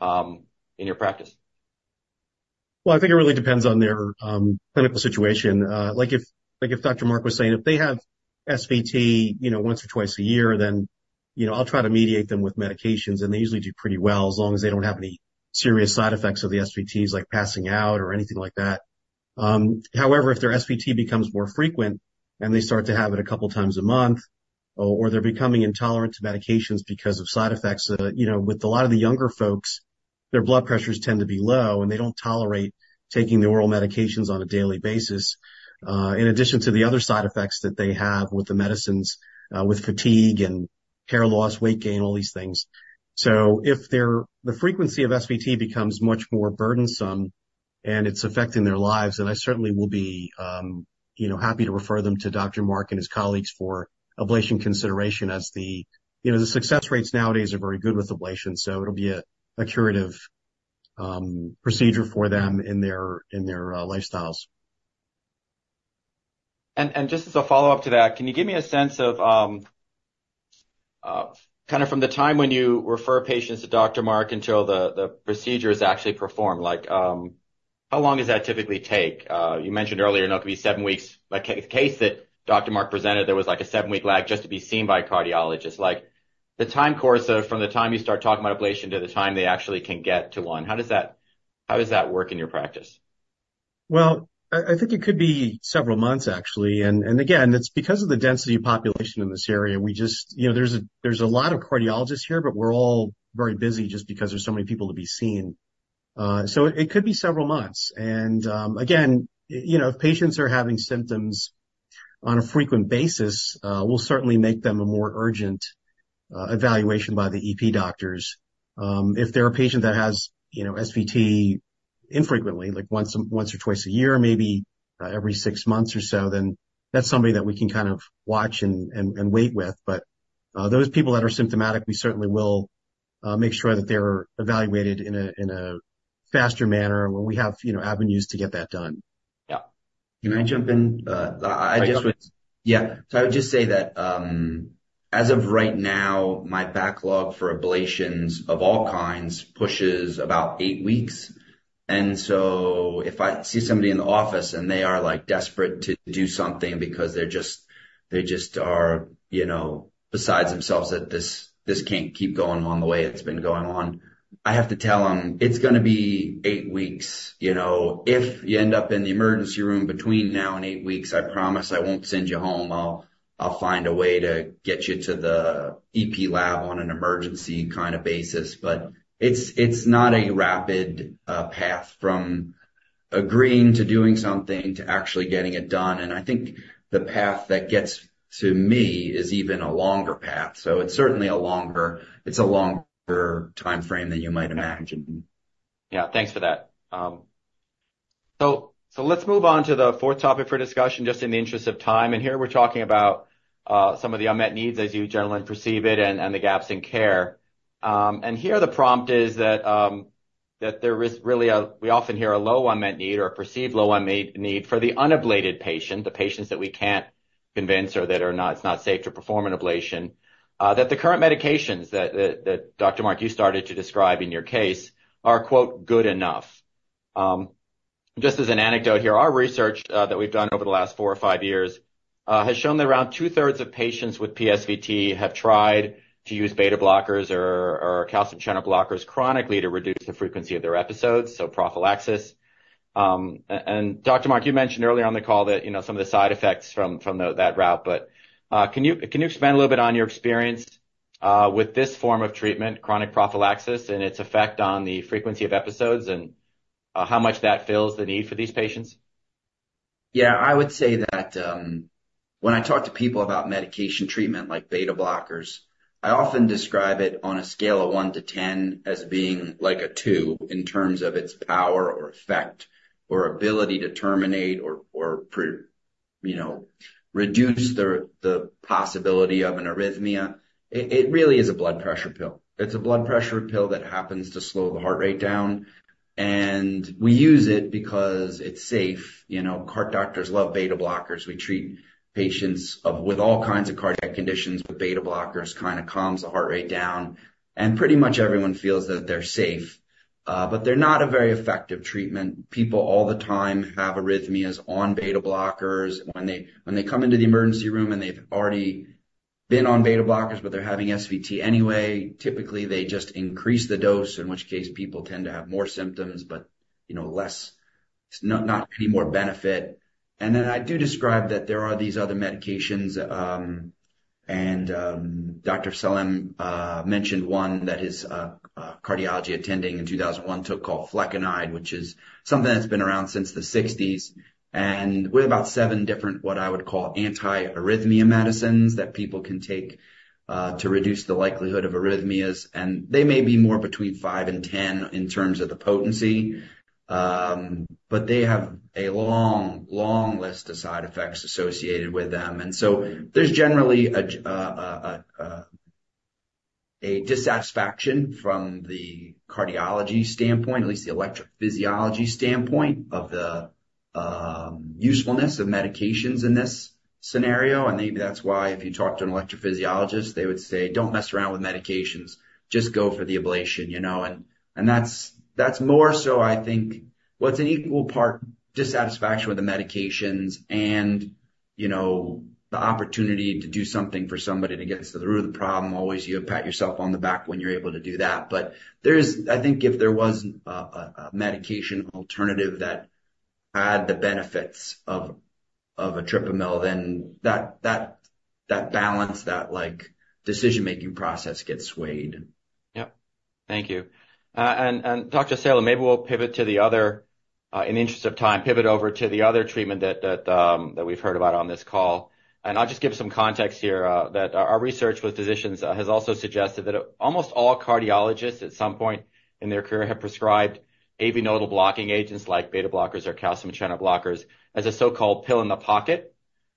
in your practice? Well, I think it really depends on their clinical situation. Like if Dr. George Mark was saying, if they have SVT once or twice a year, then I'll try to medicate them with medications, and they usually do pretty well, as long as they don't have any serious side effects of the SVTs, like passing out or anything like that. However, if their SVT becomes more frequent and they start to have it a couple of times a month, or they're becoming intolerant to medications because of side effects with a lot of the younger folks, their blood pressures tend to be low, and they don't tolerate taking the oral medications on a daily basis, in addition to the other side effects that they have with the medicines, with fatigue and hair loss, weight gain, all these things. If the frequency of SVT becomes much more burdensome and it's affecting their lives, then I certainly will be happy to refer them to Dr. Mark and his colleagues for ablation consideration, as the success rates nowadays are very good with ablation, so it'll be a curative procedure for them in their lifestyles. Just as a follow-up to that, can you give me a sense of from the time when you refer patients to Dr. Mark until the procedure is actually performed, how long does that typically take? You mentioned earlier it could be seven weeks. The case that Dr. Mark presented, there was a seven-week lag just to be seen by a cardiologist. The time course from the time you start talking about ablation to the time they actually can get to one, how does that work in your practice? Well, I think it could be several months, actually. Again, it's because of the density of population in this area. There's a lot of cardiologists here, but we're all very busy just because there's so many people to be seen. It could be several months. Again, if patients are having symptoms on a frequent basis, we'll certainly make them a more urgent evaluation by the EP doctors. If they're a patient that has SVT infrequently, like once or twice a year, maybe every six months or so, then that's somebody that we can kind of watch and wait with. Those people that are symptomatic, we certainly will make sure that they're evaluated in a faster manner. We have avenues to get that done. Yeah. Can I jump in? Yeah. I would just say that as of right now, my backlog for ablations of all kinds pushes about eight weeks. If I see somebody in the office and they are desperate to do something because they just are besides themselves that this can't keep going on the way it's been going on, I have to tell them, it's going to be eight weeks. If you end up in the emergency room between now and eight weeks, I promise I won't send you home. I'll find a way to get you to the EP lab on an emergency kind of basis. It's not a rapid path from agreeing to doing something to actually getting it done. I think the path that gets to me is even a longer path. It's certainly a longer timeframe than you might imagine. Yeah. Thanks for that. Let's move on to the fourth topic for discussion, just in the interest of time. Here we're talking about some of the unmet needs as you gentlemen perceive it and the gaps in care. Here the prompt is that there is really, we often hear a low unmet need or a perceived low unmet need for the unablated patient, the patients that we can't convince her that it's not safe to perform an ablation, that the current medications that Dr. Mark, you started to describe in your case are good enough. Just as an anecdote here, our research that we've done over the last four or five years has shown that around two-thirds of patients with PSVT have tried to use beta blockers or calcium channel blockers chronically to reduce the frequency of their episodes, so prophylaxis. Dr. George Mark, you mentioned early on the call that some of the side effects from that route, but can you expand a little bit on your experience with this form of treatment, chronic prophylaxis, and its effect on the frequency of episodes and how much that fills the need for these patients? Yeah. I would say that when I talk to people about medication treatment like beta blockers, I often describe it on a scale of one to 10 as being like a two in terms of its power or effect or ability to terminate or reduce the possibility of an arrhythmia. It really is a blood pressure pill. It's a blood pressure pill that happens to slow the heart rate down, and we use it because it's safe. Heart doctors love beta blockers. We treat patients with all kinds of cardiac conditions with beta blockers, kind of calms the heart rate down. Pretty much everyone feels that they're safe. They're not a very effective treatment. People all the time have arrhythmias on beta blockers. When they come into the emergency room, and they've already been on beta blockers, but they're having SVT anyway, typically, they just increase the dose, in which case people tend to have more symptoms, but not any more benefit. I do describe that there are these other medications, and Dr. Sailam mentioned one that his cardiology attending in 2001 took called flecainide, which is something that's been around since the 1960s. We have about seven different, what I would call anti-arrhythmia medicines that people can take to reduce the likelihood of arrhythmias, and they may be more between five and 10 in terms of the potency, but they have a long list of side effects associated with them. There's generally a dissatisfaction from the cardiology standpoint, at least the electrophysiology standpoint, of the usefulness of medications in this scenario. Maybe that's why if you talk to an electrophysiologist, they would say, don't mess around with medications. Just go for the ablation. That's more so I think what's an equal part dissatisfaction with the medications and the opportunity to do something for somebody to get to the root of the problem. Always you pat yourself on the back when you're able to do that. I think if there was a medication alternative that had the benefits of etripamil, then that balance, that decision-making process gets swayed. Yep. Thank you. Dr. Sailam, maybe in the interest of time, pivot over to the other treatment that we've heard about on this call. I'll just give some context here that our research with physicians has also suggested that almost all cardiologists at some point in their career have prescribed AV nodal blocking agents like beta blockers or calcium channel blockers as a so-called pill in the pocket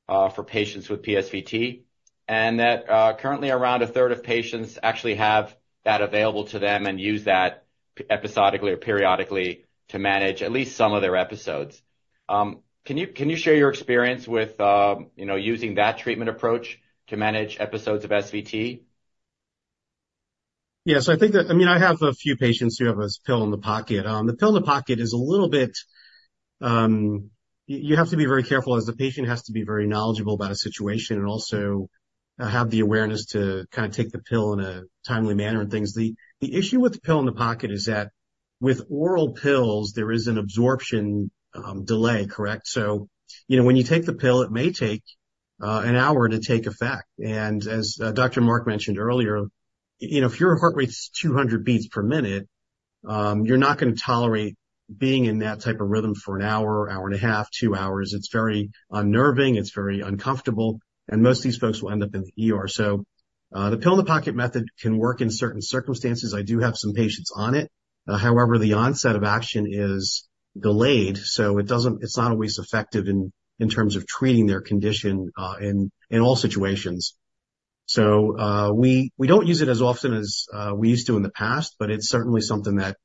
for patients with PSVT. Currently around a third of patients actually have that available to them and use that episodically or periodically to manage at least some of their episodes. Can you share your experience with using that treatment approach to manage episodes of SVT? Yeah. I think that, I have a few patients who have a pill in the pocket. The pill in the pocket is a little bit. You have to be very careful as the patient has to be very knowledgeable about a situation and also have the awareness to take the pill in a timely manner and things. The issue with the pill in the pocket is that with oral pills, there is an absorption delay, correct? When you take the pill, it may take an hour to take effect. As Dr. Mark mentioned earlier, if your heart rate's 200 bpm, you're not going to tolerate being in that type of rhythm for an hour and a half, two hours. It's very unnerving. It's very uncomfortable, and most of these folks will end up in the ER. The pill in the pocket method can work in certain circumstances. I do have some patients on it. However, the onset of action is delayed, so it's not always effective in terms of treating their condition in all situations. We don't use it as often as we used to in the past, but it's certainly something that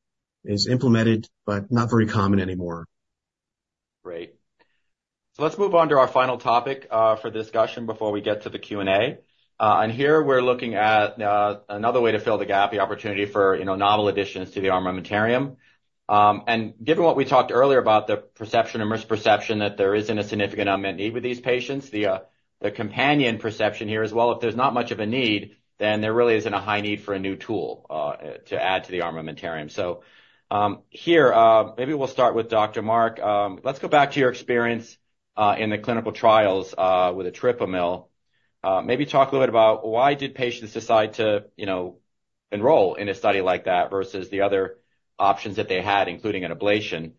is implemented, but not very common anymore. Great. Let's move on to our final topic for discussion before we get to the Q&A. Here we're looking at another way to fill the gap, the opportunity for novel additions to the armamentarium. Given what we talked earlier about the perception or misperception that there isn't a significant unmet need with these patients, the companion perception here as well, if there's not much of a need, then there really isn't a high need for a new tool to add to the armamentarium. Here, maybe we'll start with Dr. Mark. Let's go back to your experience in the clinical trials with etripamil. Maybe talk a little bit about why did patients decide to enroll in a study like that versus the other options that they had, including an ablation?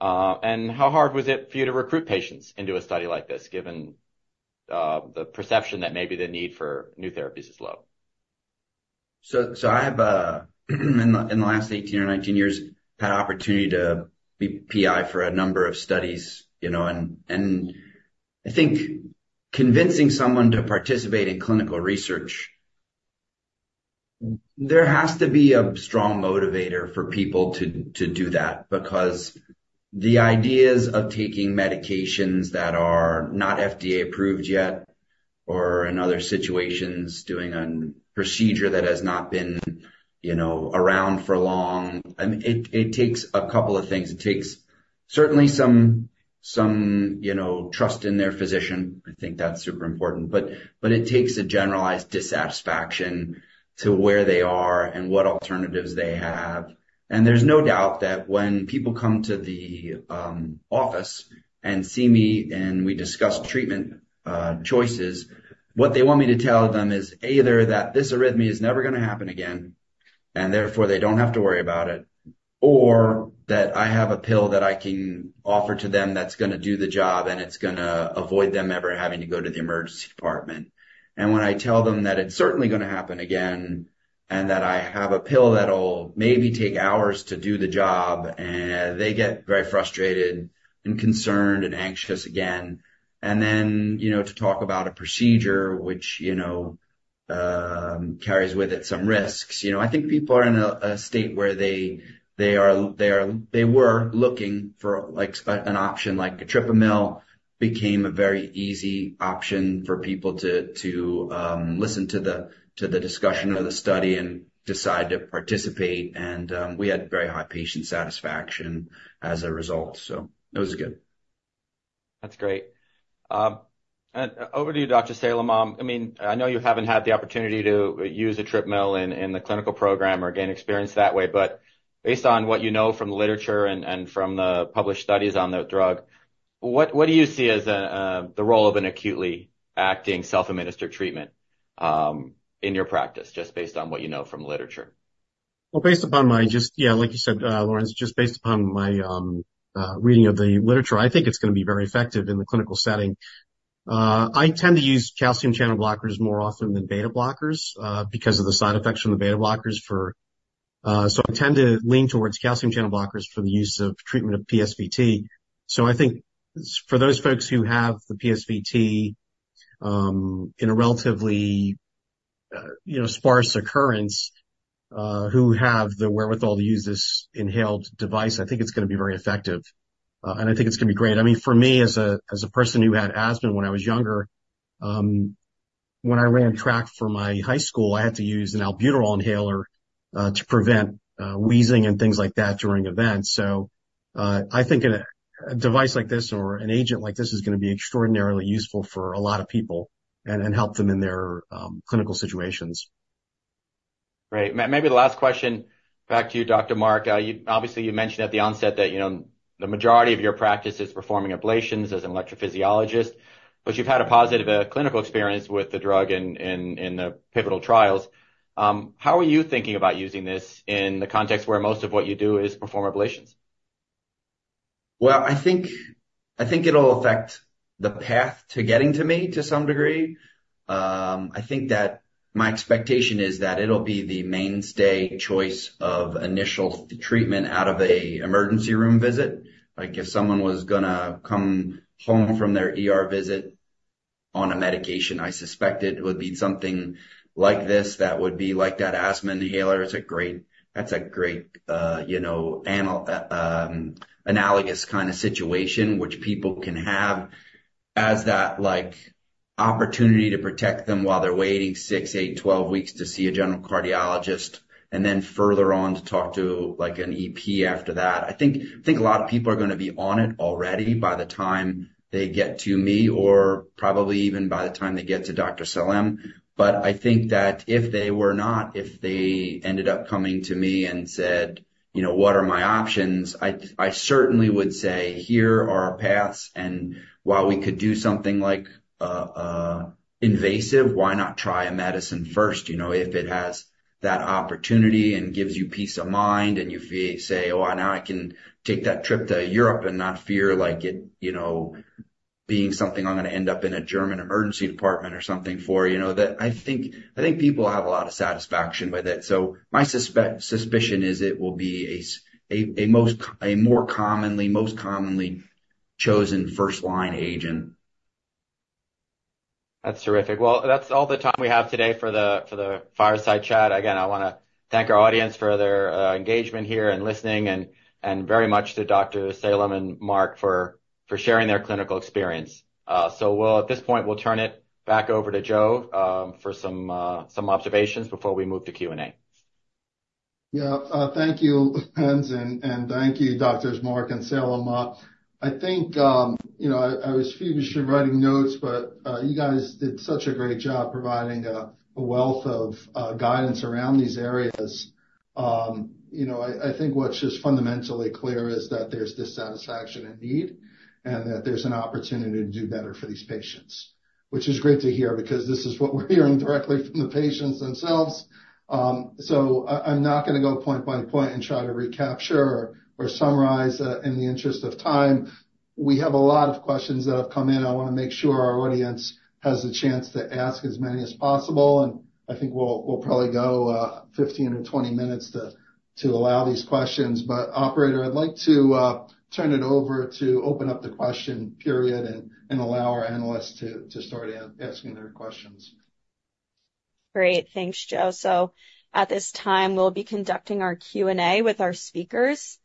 How hard was it for you to recruit patients into a study like this, given the perception that maybe the need for new therapies is low? I have, in the last 18 or 19 years, had opportunity to be PI for a number of studies. I think convincing someone to participate in clinical research. There has to be a strong motivator for people to do that, because the ideas of taking medications that are not FDA approved yet, or in other situations, doing a procedure that has not been around for long. It takes a couple of things. It takes certainly some trust in their physician. I think that's super important. It takes a generalized dissatisfaction to where they are and what alternatives they have. There's no doubt that when people come to the office and see me and we discuss treatment choices, what they want me to tell them is either that this arrhythmia is never going to happen again, and therefore they don't have to worry about it, or that I have a pill that I can offer to them that's going to do the job, and it's going to avoid them ever having to go to the emergency department. When I tell them that it's certainly going to happen again, and that I have a pill that'll maybe take hours to do the job, they get very frustrated and concerned, and anxious again, to talk about a procedure which carries with it some risks. I think people are in a state where they were looking for an option, like the trial became a very easy option for people to listen to the discussion of the study and decide to participate. We had very high patient satisfaction as a result. It was good. That's great. Over to you, Dr. Sailam. I know you haven't had the opportunity to use the etripamil in the clinical program or gain experience that way, but based on what you know from the literature and from the published studies on the drug, what do you see as the role of an acutely acting self-administered treatment in your practice, just based on what you know from literature? Well, yeah like you said, Lorenz, just based upon my reading of the literature, I think it's going to be very effective in the clinical setting. I tend to use calcium channel blockers more often than beta blockers because of the side effects from the beta blockers. I tend to lean towards calcium channel blockers for the use of treatment of PSVT. I think for those folks who have the PSVT in a relatively sparse occurrence, who have the wherewithal to use this inhaled device, I think it's going to be very effective. I think it's going to be great. For me, as a person who had asthma when I was younger, when I ran track for my high school, I had to use an albuterol inhaler to prevent wheezing and things like that during events. I think a device like this or an agent like this is going to be extraordinarily useful for a lot of people and help them in their clinical situations. Great. Maybe the last question back to you, Dr. George Mark. Obviously, you mentioned at the onset that the majority of your practice is performing ablations as an electrophysiologist, but you've had a positive clinical experience with the drug in the pivotal trials. How are you thinking about using this in the context where most of what you do is perform ablations? Well, I think it'll affect the path to getting to me to some degree. I think that my expectation is that it'll be the mainstay choice of initial treatment out of an emergency room visit. Like if someone was gonna come home from their ER visit on a medication, I suspect it would be something like this that would be like that asthma inhaler. That's a great analogous kind of situation which people can have as that opportunity to protect them while they're waiting six, eight, 12 weeks to see a general cardiologist, and then further on to talk to an EP after that. I think a lot of people are going to be on it already by the time they get to me, or probably even by the time they get to Dr. Sailam. I think that if they were not, if they ended up coming to me and said, what are my options? I certainly would say, here are our paths. And while we could do something like invasive, why not try a medicine first? If it has that opportunity and gives you peace of mind and you say, oh, now I can take that trip to Europe and not fear being something I'm going to end up in a German emergency department or something for. I think people have a lot of satisfaction with it. My suspicion is it will be a more commonly, most commonly chosen first-line agent. That's terrific. Well, that's all the time we have today for the fireside chat. Again, I want to thank our audience for their engagement here and listening, and very much to Dr. Sailam and Mark for sharing their clinical experience. At this point, we'll turn it back over to Joe for some observations before we move to Q&A. Yeah. Thank you, Lorenz, and thank you, Doctors Mark and Sailam. I was feverishly writing notes, but you guys did such a great job providing a wealth of guidance around these areas. I think what's just fundamentally clear is that there's dissatisfaction and need, and that there's an opportunity to do better for these patients, which is great to hear because this is what we're hearing directly from the patients themselves. I'm not going to go point by point and try to recapture or summarize in the interest of time. We have a lot of questions that have come in. I want to make sure our audience has the chance to ask as many as possible, and I think we'll probably go 15 or 20 minutes to allow these questions. Operator, I'd like to turn it over to open up the question period and allow our analysts to start asking their questions. Great. Thanks, Joe. At this time, we'll be conducting our Q&A with our speakers.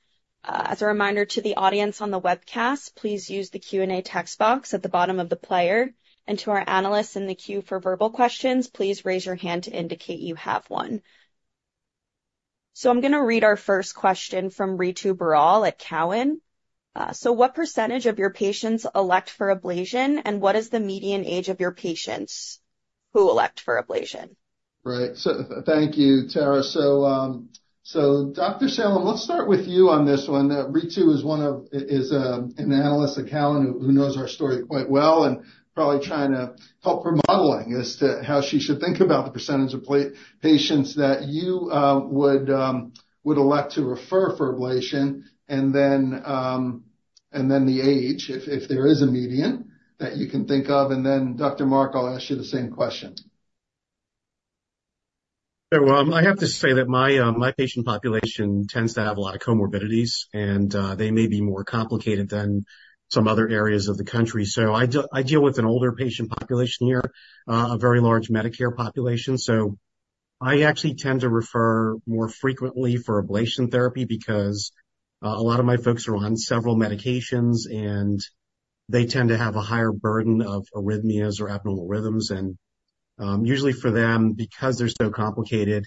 As a reminder to the audience on the webcast, please use the Q&A text box at the bottom of the player, and to our analysts in the queue for verbal questions, please raise your hand to indicate you have one. I'm going to read our first question from Ritu Baral at TD Cowen. What percentage of your patients elect for ablation, and what is the median age of your patients who elect for ablation? Right. Thank you, Tara. Dr. Sailam, let's start with you on this one. Ritu is an analyst at Cowen who knows our story quite well and probably trying to help her modeling as to how she should think about the percentage of patients that you would elect to refer for ablation, and then the age, if there is a median that you can think of. Then Dr. Mark, I'll ask you the same question. Well, I have to say that my patient population tends to have a lot of comorbidities, and they may be more complicated than some other areas of the country. I deal with an older patient population here, a very large Medicare population. I actually tend to refer more frequently for ablation therapy because a lot of my folks are on several medications, and they tend to have a higher burden of arrhythmias or abnormal rhythms. Usually for them, because they're so complicated,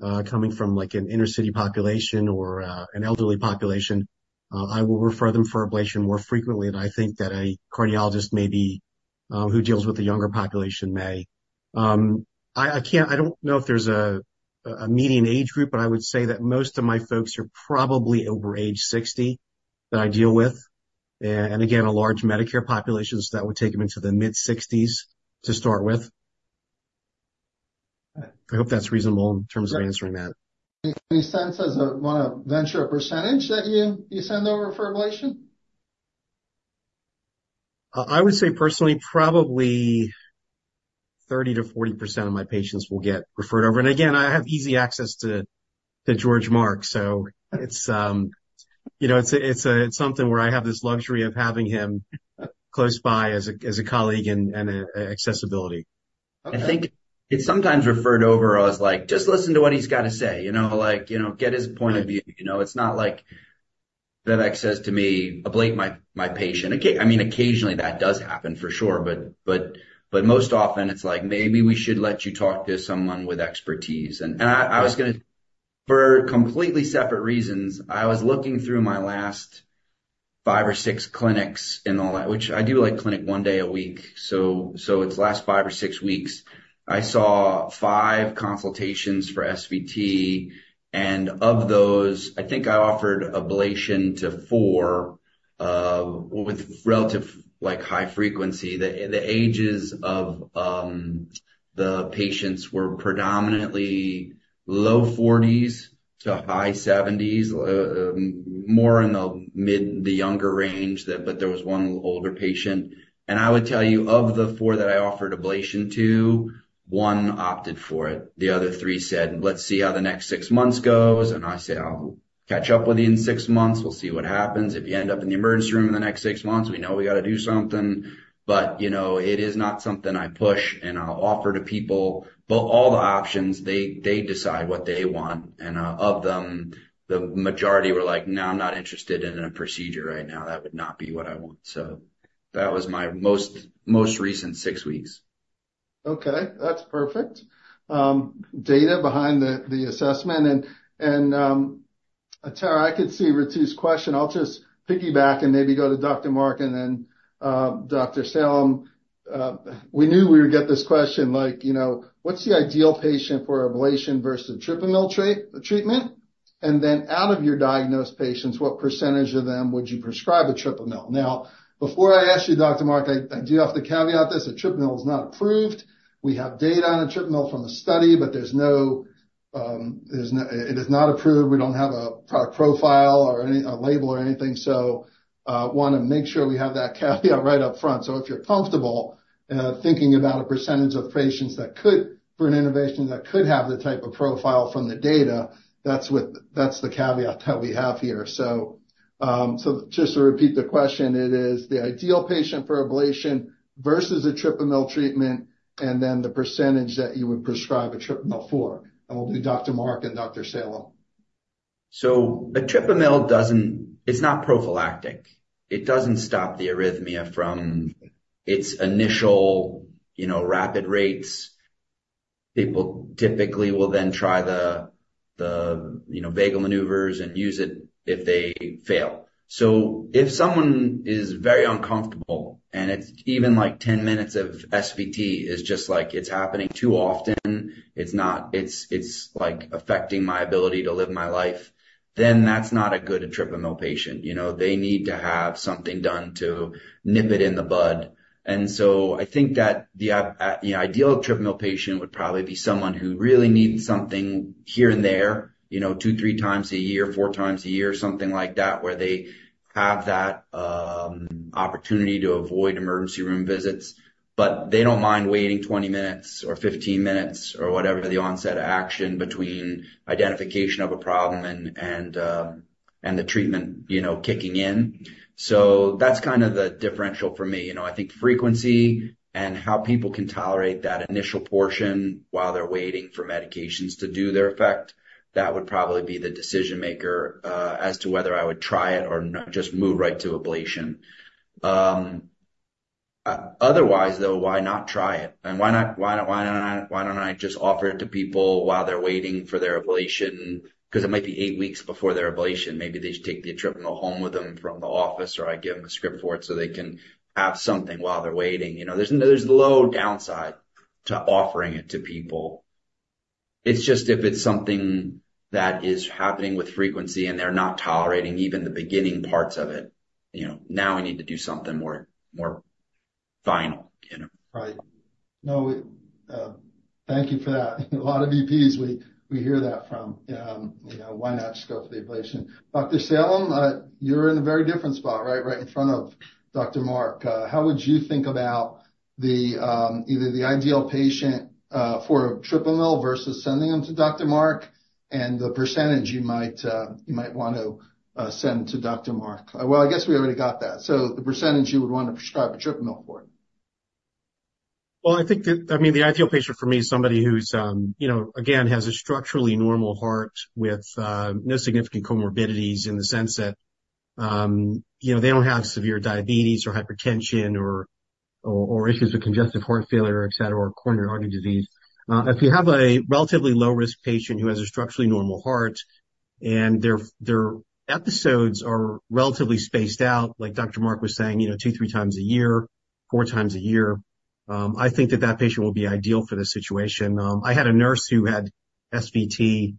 coming from an inner city population or an elderly population, I will refer them for ablation more frequently than I think that a cardiologist who deals with the younger population may. I don't know if there's a median age group, but I would say that most of my folks are probably over age 60 that I deal with. Again, a large Medicare population, so that would take them into the mid-60s to start with. I hope that's reasonable in terms of answering that. Makes sense. What's the percentage that you send over for ablation? I would say personally, probably 30%-40% of my patients will get referred over. Again, I have easy access to George Mark, so it's something where I have this luxury of having him close by as a colleague and accessibility. Okay. I think it's sometimes referred to as like, just listen to what he's got to say. Get his point of view. It's not like Vivek says to me, ablate my patient. Occasionally that does happen, for sure, but most often it's like, maybe we should let you talk to someone with expertise. For completely separate reasons, I was looking through my last five or six clinics and all that, which I do clinic one day a week. It's the last five or six weeks. I saw five consultations for SVT, and of those, I think I offered ablation to four, with relatively high frequency. The ages of the patients were predominantly low 40s to high 70s, more in the younger range, but there was one older patient. I would tell you, of the four that I offered ablation to, one opted for it. The other three said, let's see how the next six months goes. I say, I'll catch up with you in six months. We'll see what happens. If you end up in the emergency room in the next six months, we know we got to do something. It is not something I push and offer to people, but all the options, they decide what they want. Of them, the majority were like, no, I'm not interested in a procedure right now. That would not be what I want. That was my most recent six weeks. Okay, that's perfect. Data behind the assessment. Tara, I could see Ritu's question. I'll just piggyback and maybe go to Dr. Mark and then Dr. Sailam. We knew we would get this question, what's the ideal patient for ablation versus etripamil treatment? Out of your diagnosed patients, what percentage of them would you prescribe an etripamil? Now, before I ask you, Dr. Mark, I do have to caveat this, that eis not approved. We have data on etripamil from the study, but it is not approved. We don't have a product profile or a label or anything. Want to make sure we have that caveat right up front. If you're comfortable thinking about a percentage of patients for an innovation that could have the type of profile from the data, that's the caveat that we have here. Just to repeat the question, it is the ideal patient for ablation versus an etripamil treatment and then the percentage that you would prescribe an etripamil for. We'll do Dr. Mark and Dr. Sailam. Etripamil, it's not prophylactic. It doesn't stop the arrhythmia from its initial rapid rates. People typically will then try the vagal maneuvers and use it if they fail. If someone is very uncomfortable and it's even 10 minutes of SVT, it's just like it's happening too often. It's like affecting my ability to live my life, then that's not a good etripamil patient. They need to have something done to nip it in the bud. I think that the ideal etripamil patient would probably be someone who really needs something here and there, 2x, 3x a year, 4x a year, something like that, where they have that opportunity to avoid emergency room visits, but they don't mind waiting 20 minutes or 15 minutes or whatever the onset of action between identification of a problem and the treatment kicking in. That's kind of the differential for me. I think frequency and how people can tolerate that initial portion while they're waiting for medications to do their effect, that would probably be the decision-maker as to whether I would try it or just move right to ablation. Otherwise, though, why not try it? Why don't I just offer it to people while they're waiting for their ablation? Because it might be eight weeks before their ablation. Maybe they take the etripamil home with them from the office, or I give them a script for it so they can have something while they're waiting. There's low downside to offering it to people. It's just if it's something that is happening with frequency and they're not tolerating even the beginning parts of it. Now we need to do something more final. Right. No, thank you for that. A lot of patients we hear that from. Why not just go for the ablation? Dr. Sailam, you're in a very different spot right in front of Dr. Mark. How would you think about either the ideal patient for etripamil versus sending them to Dr. Mark and the percentage you might want to send to Dr. Mark? Well, I guess we already got that. The percentage you would want to prescribe etripamil for. Well, I think the ideal patient for me is somebody who's, again, has a structurally normal heart with no significant comorbidities in the sense that they don't have severe diabetes or hypertension or issues with congestive heart failure, et cetera, or coronary artery disease. If you have a relatively low-risk patient who has a structurally normal heart and their episodes are relatively spaced out, like Dr. Mark was saying, 2x, 3x a year, 4x a year, I think that that patient will be ideal for this situation. I had a nurse who had SVT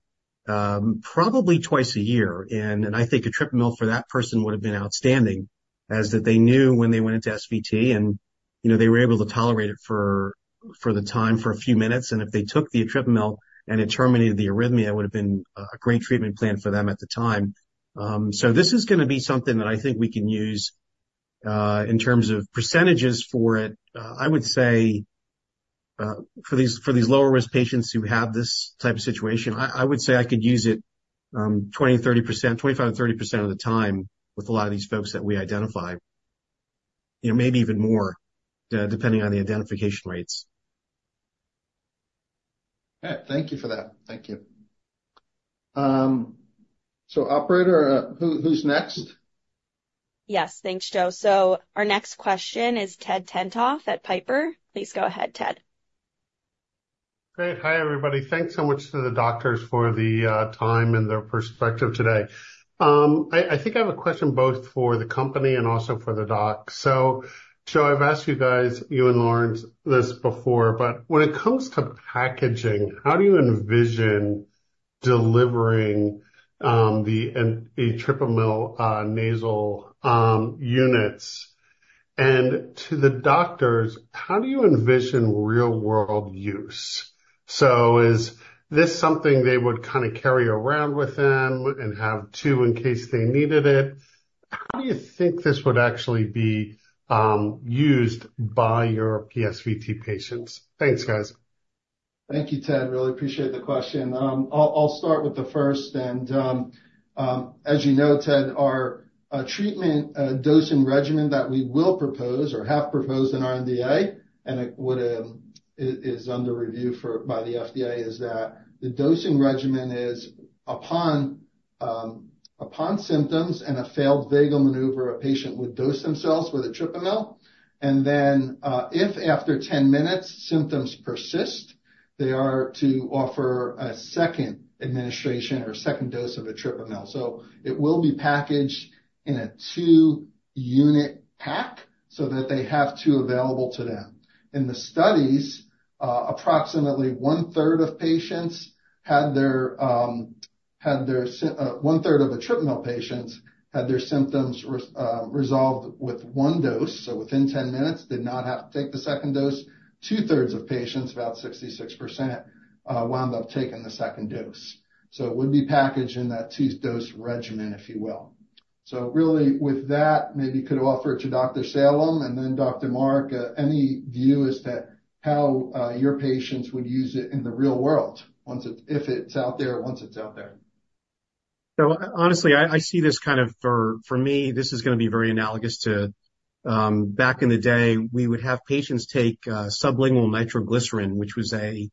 probably twice a year, and I think etripamil for that person would have been outstanding in that they knew when they went into SVT, and they were able to tolerate it for the time for a few minutes, and if they took the etripamil and it terminated the arrhythmia, it would have been a great treatment plan for them at the time. This is going to be something that I think we can use. In terms of percentages for it, I would say for these lower-risk patients who have this type of situation, I would say I could use it 20%, 30%, 25%, 30% of the time with a lot of these folks that we identify. Maybe even more depending on the identification rates. Thank you for that. Thank you. Operator, who's next? Yes. Thanks, Joe. Our next question is Ted Tenthoff at Piper. Please go ahead, Ted. Great. Hi, everybody. Thanks so much to the doctors for the time and their perspective today. I think I have a question both for the company and also for the docs. Joe, I've asked you guys, you and Lawrence this before, but when it comes to packaging, how do you envision delivering the etripamil nasal units? To the doctors, how do you envision real-world use? Is this something they would kind of carry around with them and have two in case they needed it? How do you think this would actually be used by your PSVT patients? Thanks, guys. Thank you, Ted. Really appreciate the question. I'll start with the first, and as you know, Ted, our treatment dosing regimen that we will propose or have proposed in our NDA, and it is under review by the FDA, is that the dosing regimen is upon symptoms and a failed vagal maneuver, a patient would dose themselves with etripamil, and then if after 10 minutes symptoms persist, they are to take a second administration or second dose of etripamil. It will be packaged in a two-unit pack so that they have two available to them. In the studies, approximately one-third of etripamil patients had their symptoms resolved with one dose. Within 10 minutes, they did not have to take the second dose. Two-thirds of patients, about 66%, wound up taking the second dose. It would be packaged in that two-dose regimen, if you will. Really with that, maybe you could offer it to Dr. Sailam and then Dr. Mark, any view as to how your patients would use it in the real world if it's out there, once it's out there? Honestly, I see this kind of, for me, this is going to be very analogous to back in the day, we would have patients take sublingual nitroglycerin, which was a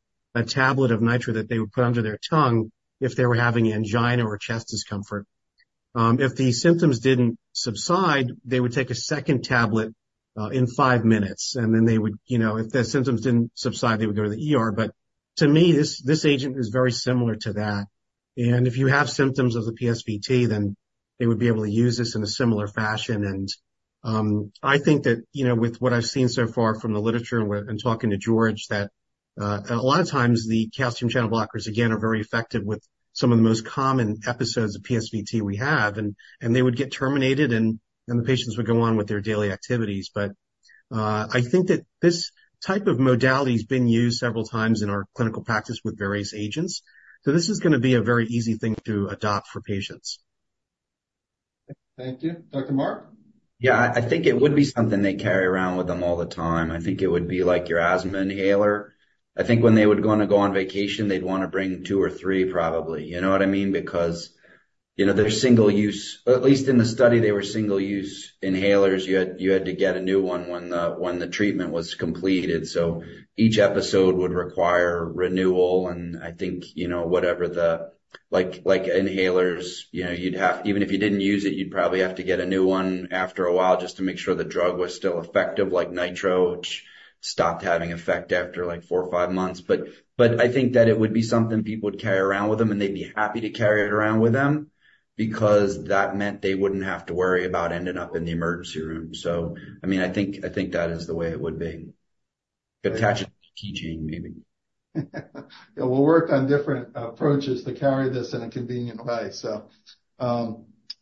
tablet of nitro that they would put under their tongue if they were having angina or chest discomfort. If the symptoms didn't subside, they would take a second tablet in five minutes, and then if their symptoms didn't subside, they would go to the ER. To me, this agent is very similar to that. If you have symptoms of the PSVT, then they would be able to use this in a similar fashion. I think that with what I've seen so far from the literature and talking to George, that a lot of times the calcium channel blockers, again, are very effective with some of the most common episodes of PSVT we have, and they would get terminated, and the patients would go on with their daily activities. I think that this type of modality has been used several times in our clinical practice with various agents. This is going to be a very easy thing to adopt for patients. Thank you. Dr. George Mark? Yeah, I think it would be something they carry around with them all the time. I think it would be like your asthma inhaler. I think when they were going to go on vacation, they'd want to bring two or three probably. You know what I mean? Because they're single-use. At least in the study, they were single-use inhalers. You had to get a new one when the treatment was completed. Each episode would require renewal, and I think, like inhalers, even if you didn't use it, you'd probably have to get a new one after a while just to make sure the drug was still effective, like nitro, which stopped having effect after four or five months. I think that it would be something people would carry around with them, and they'd be happy to carry it around with them because that meant they wouldn't have to worry about ending up in the emergency room. I think that is the way it would be. Attach it to the keychain, maybe. Yeah, we'll work on different approaches to carry this in a convenient way.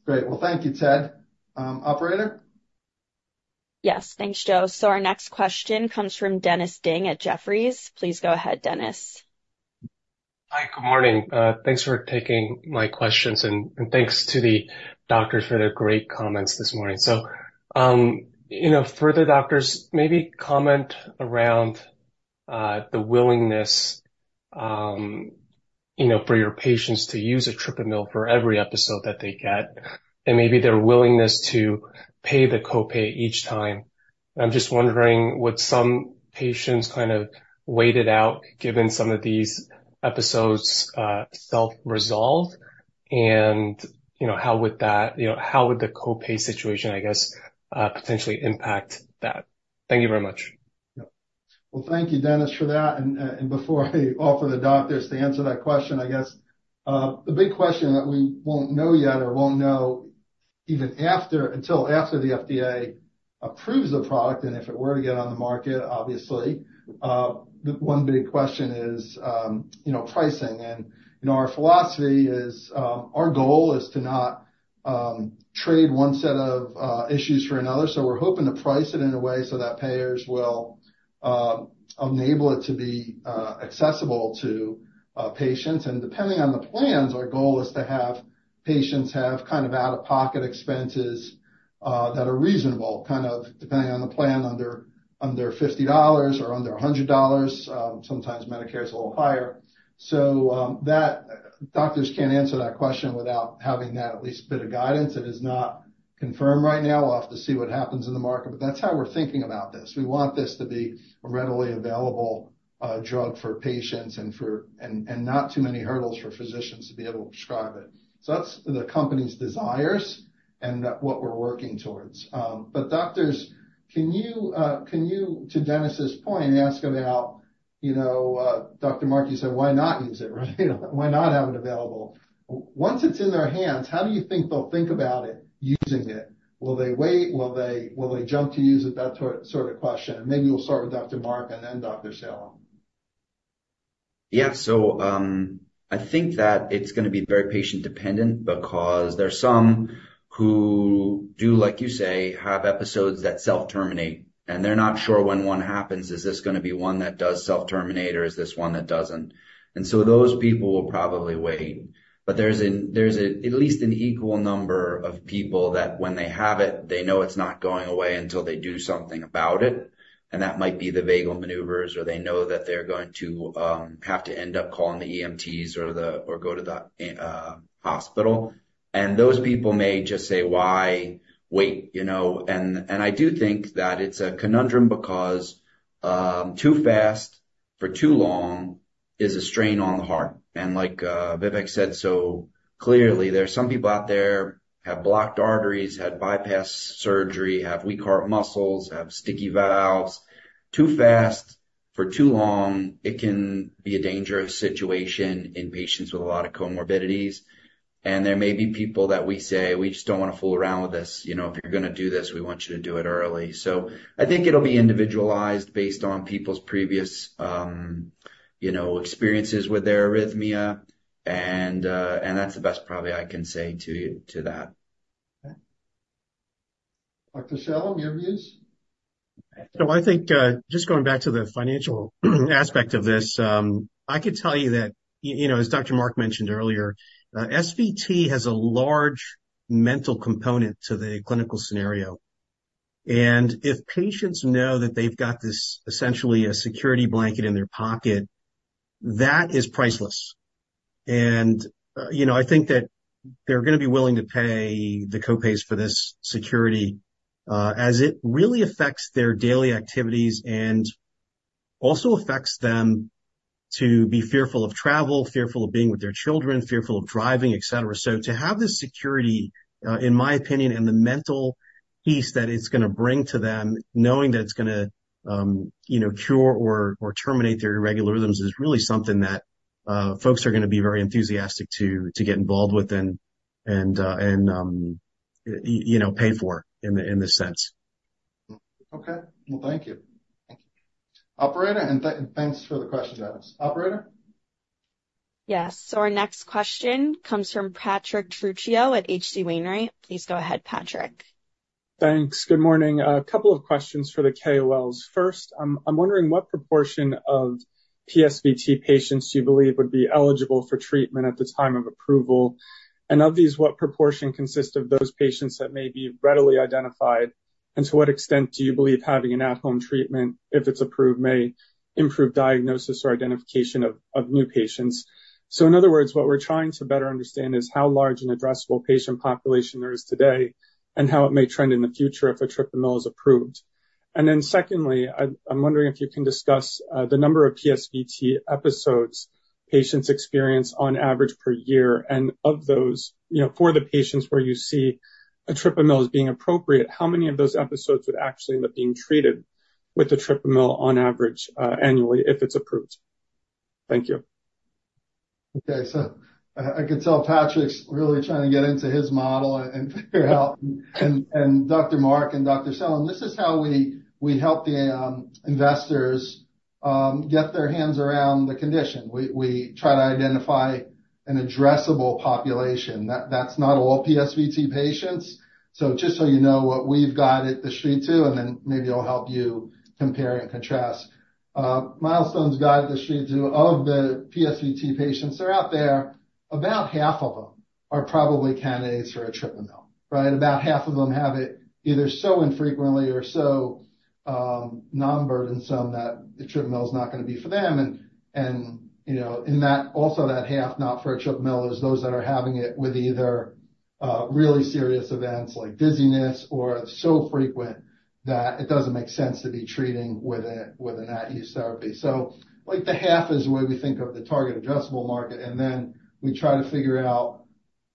Great. Well, thank you, Ted. Operator? Yes. Thanks, Joe. Our next question comes from Dennis Ding at Jefferies. Please go ahead, Dennis. Hi. Good morning. Thanks for taking my questions, and thanks to the doctors for their great comments this morning. For the doctors, maybe comment around the willingness for your patients to use etripamil for every episode that they get and maybe their willingness to pay the copay each time. I'm just wondering, would some patients kind of wait it out, given some of these episodes self-resolve? How would the copay situation, I guess, potentially impact that? Thank you very much. Well, thank you, Dennis, for that. Before I offer the doctors to answer that question, I guess the big question that we won't know yet or won't know until after the FDA approves the product, and if it were to get on the market, obviously, the one big question is pricing. Our philosophy is our goal is to not trade one set of issues for another. We're hoping to price it in a way so that payers will enable it to be accessible to patients. Depending on the plans, our goal is to have patients have out-of-pocket expenses that are reasonable, depending on the plan, under $50 or under $100. Sometimes Medicare is a little higher. Doctors can't answer that question without having that at least bit of guidance. It is not confirmed right now. We'll have to see what happens in the market. That's how we're thinking about this. We want this to be a readily available drug for patients and not too many hurdles for physicians to be able to prescribe it. That's the company's desires and what we're working towards. Doctors, can you, to Dennis's point, ask about, Dr. Mark, you said why not use it, right? Why not have it available? Once it's in their hands, how do you think they'll think about it, using it? Will they wait? Will they jump to use it? That sort of question. Maybe we'll start with Dr. Mark and then Dr. Sailam. Yeah. I think that it's going to be very patient-dependent because there are some who do, like you say, have episodes that self-terminate, and they're not sure when one happens, is this going to be one that does self-terminate, or is this one that doesn't? Those people will probably wait. There's at least an equal number of people that when they have it, they know it's not going away until they do something about it. That might be the vagal maneuvers, or they know that they're going to have to end up calling the EMTs or go to the hospital. Those people may just say, why wait? I do think that it's a conundrum because too fast for too long is a strain on the heart. Like Vivek said so clearly, there are some people out there have blocked arteries, had bypass surgery, have weak heart muscles, have sticky valves. Too fast for too long, it can be a dangerous situation in patients with a lot of comorbidities. There may be people that we say, we just don't want to fool around with this. If you're going to do this, we want you to do it early. I think it'll be individualized based on people's previous experiences with their arrhythmia. That's the best probably I can say to that. Okay. Dr. Sailam, your views? I think just going back to the financial aspect of this, I could tell you that, as Dr. Mark mentioned earlier, SVT has a large mental component to the clinical scenario. If patients know that they've got this, essentially a security blanket in their pocket, that is priceless. I think that they're going to be willing to pay the copays for this security, as it really affects their daily activities and also affects them to be fearful of travel, fearful of being with their children, fearful of driving, et cetera. To have this security, in my opinion, and the mental peace that it's going to bring to them, knowing that it's going to cure or terminate their irregular rhythms, is really something that folks are going to be very enthusiastic to get involved with and pay for in this sense. Okay. Well, thank you. Thank you. Operator, thanks for the question, Dennis. Operator? Yes. Our next question comes from Patrick Trucchio at H.C. Wainwright. Please go ahead, Patrick. Thanks. Good morning. A couple of questions for the KOLs. First, I'm wondering what proportion of PSVT patients do you believe would be eligible for treatment at the time of approval? Of these, what proportion consists of those patients that may be readily identified? To what extent do you believe having an at-home treatment, if it's approved, may improve diagnosis or identification of new patients? In other words, what we're trying to better understand is how large an addressable patient population there is today, and how it may trend in the future if etripamil is approved. Secondly, I'm wondering if you can discuss the number of PSVT episodes patients experience on average per year? Of those, for the patients where you see etripamil as being appropriate, how many of those episodes would actually end up being treated with etripamil on average annually if it's approved? Thank you. Okay. I can tell Patrick's really trying to get into his model and figure out, and Dr. Mark and Dr. Sailam, this is how we help the investors get their hands around the condition. We try to identify an addressable population. That's not all PSVT patients. Just so you know what we've got at the street, too, and then maybe it'll help you compare and contrast. Milestone's guide at the street, too, of the PSVT patients are out there, about half of them are probably candidates for etripamil. Right? About half of them have it either so infrequently or so non-burdensome that etripamil is not going to be for them. In also that half not for etripamil, there's those that are having it with either really serious events like dizziness or so frequent that it doesn't make sense to be treating with an acute-use therapy. The half is the way we think of the target addressable market, and then we try to figure out,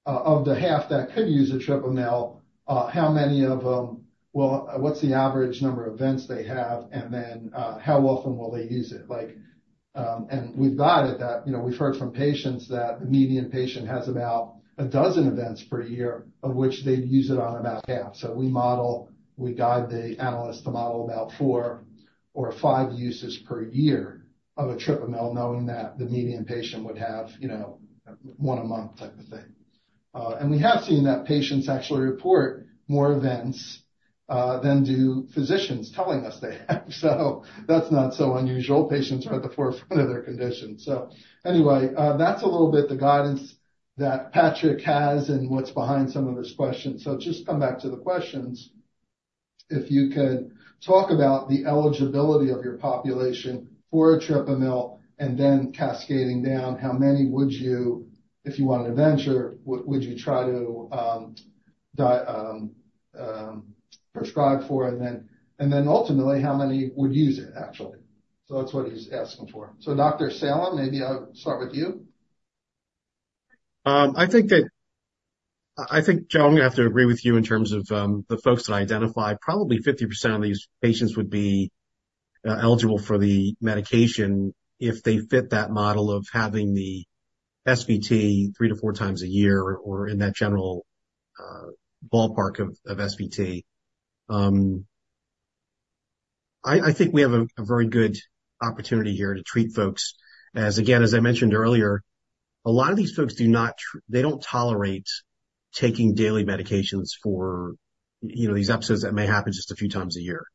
of the half that could use etripamil, how many of them. Well, what's the average number of events they have, and then how often will they use it? We've got it that we've heard from patients that the median patient has about 12 events per year, of which they use it on about half. We guide the analyst to model about four or five uses per year of etripamil, knowing that the median patient would have one a month type of thing. We have seen that patients actually report more events than do physicians telling us they have. That's not so unusual. Patients are at the forefront of their condition. Anyway, that's a little bit the guidance that Patrick has and what's behind some of his questions. Just come back to the questions. If you could talk about the eligibility of your population for etripamil and then cascading down, how many would you, if you own a practice, would you try to prescribe for? And then ultimately, how many would use it, actually? That's what he's asking for. Dr. Sailam, maybe I'll start with you. I think, John, I'm going to have to agree with you in terms of the folks that identify, probably 50% of these patients would be eligible for the medication if they fit that model of having the SVT 3x to 4x a year or in that general ballpark of SVT. I think we have a very good opportunity here to treat folks. As again, as I mentioned earlier, a lot of these folks do not tolerate taking daily medications for these episodes that may happen just a few times a year.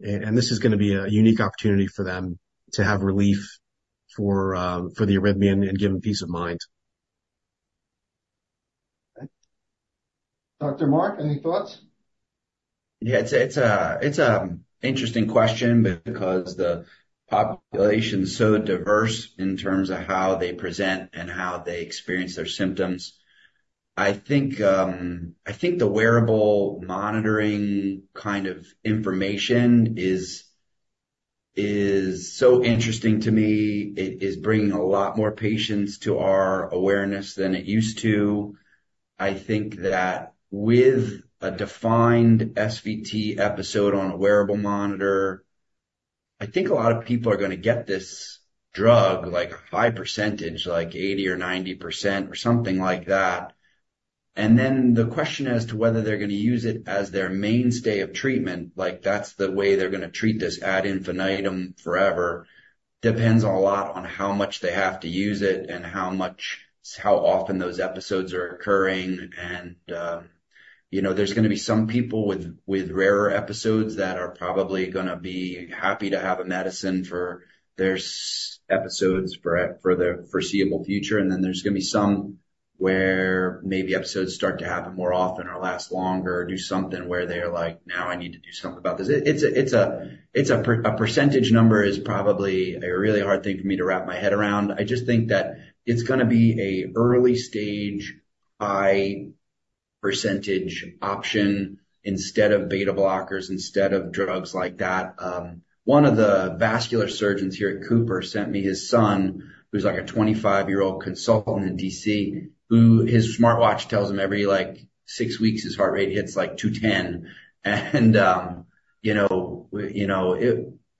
This is going to be a unique opportunity for them to have relief for the arrhythmia and give them peace of mind. Dr. Mark, any thoughts? Yeah. It's an interesting question because the population is so diverse in terms of how they present and how they experience their symptoms. I think the wearable monitoring kind of information is so interesting to me. It is bringing a lot more patients to our awareness than it used to. I think that with a defined SVT episode on a wearable monitor, I think a lot of people are going to get this drug, like a high percentage, like 80% or 90% or something like that. Then the question as to whether they're going to use it as their mainstay of treatment, like that's the way they're going to treat this ad infinitum forever, depends a lot on how much they have to use it and how often those episodes are occurring. There's going to be some people with rarer episodes that are probably going to be happy to have a medicine for their episodes for the foreseeable future. Then there's going to be some where maybe episodes start to happen more often or last longer, or do something where they are like, now I need to do something about this. A percentage number is probably a really hard thing for me to wrap my head around. I just think that it's going to be an early stage, high percentage option instead of beta blockers, instead of drugs like that. One of the vascular surgeons here at Cooper sent me his son, who's like a 25-year-old consultant in D.C., whose smartwatch tells him every six weeks his heart rate hits like 210.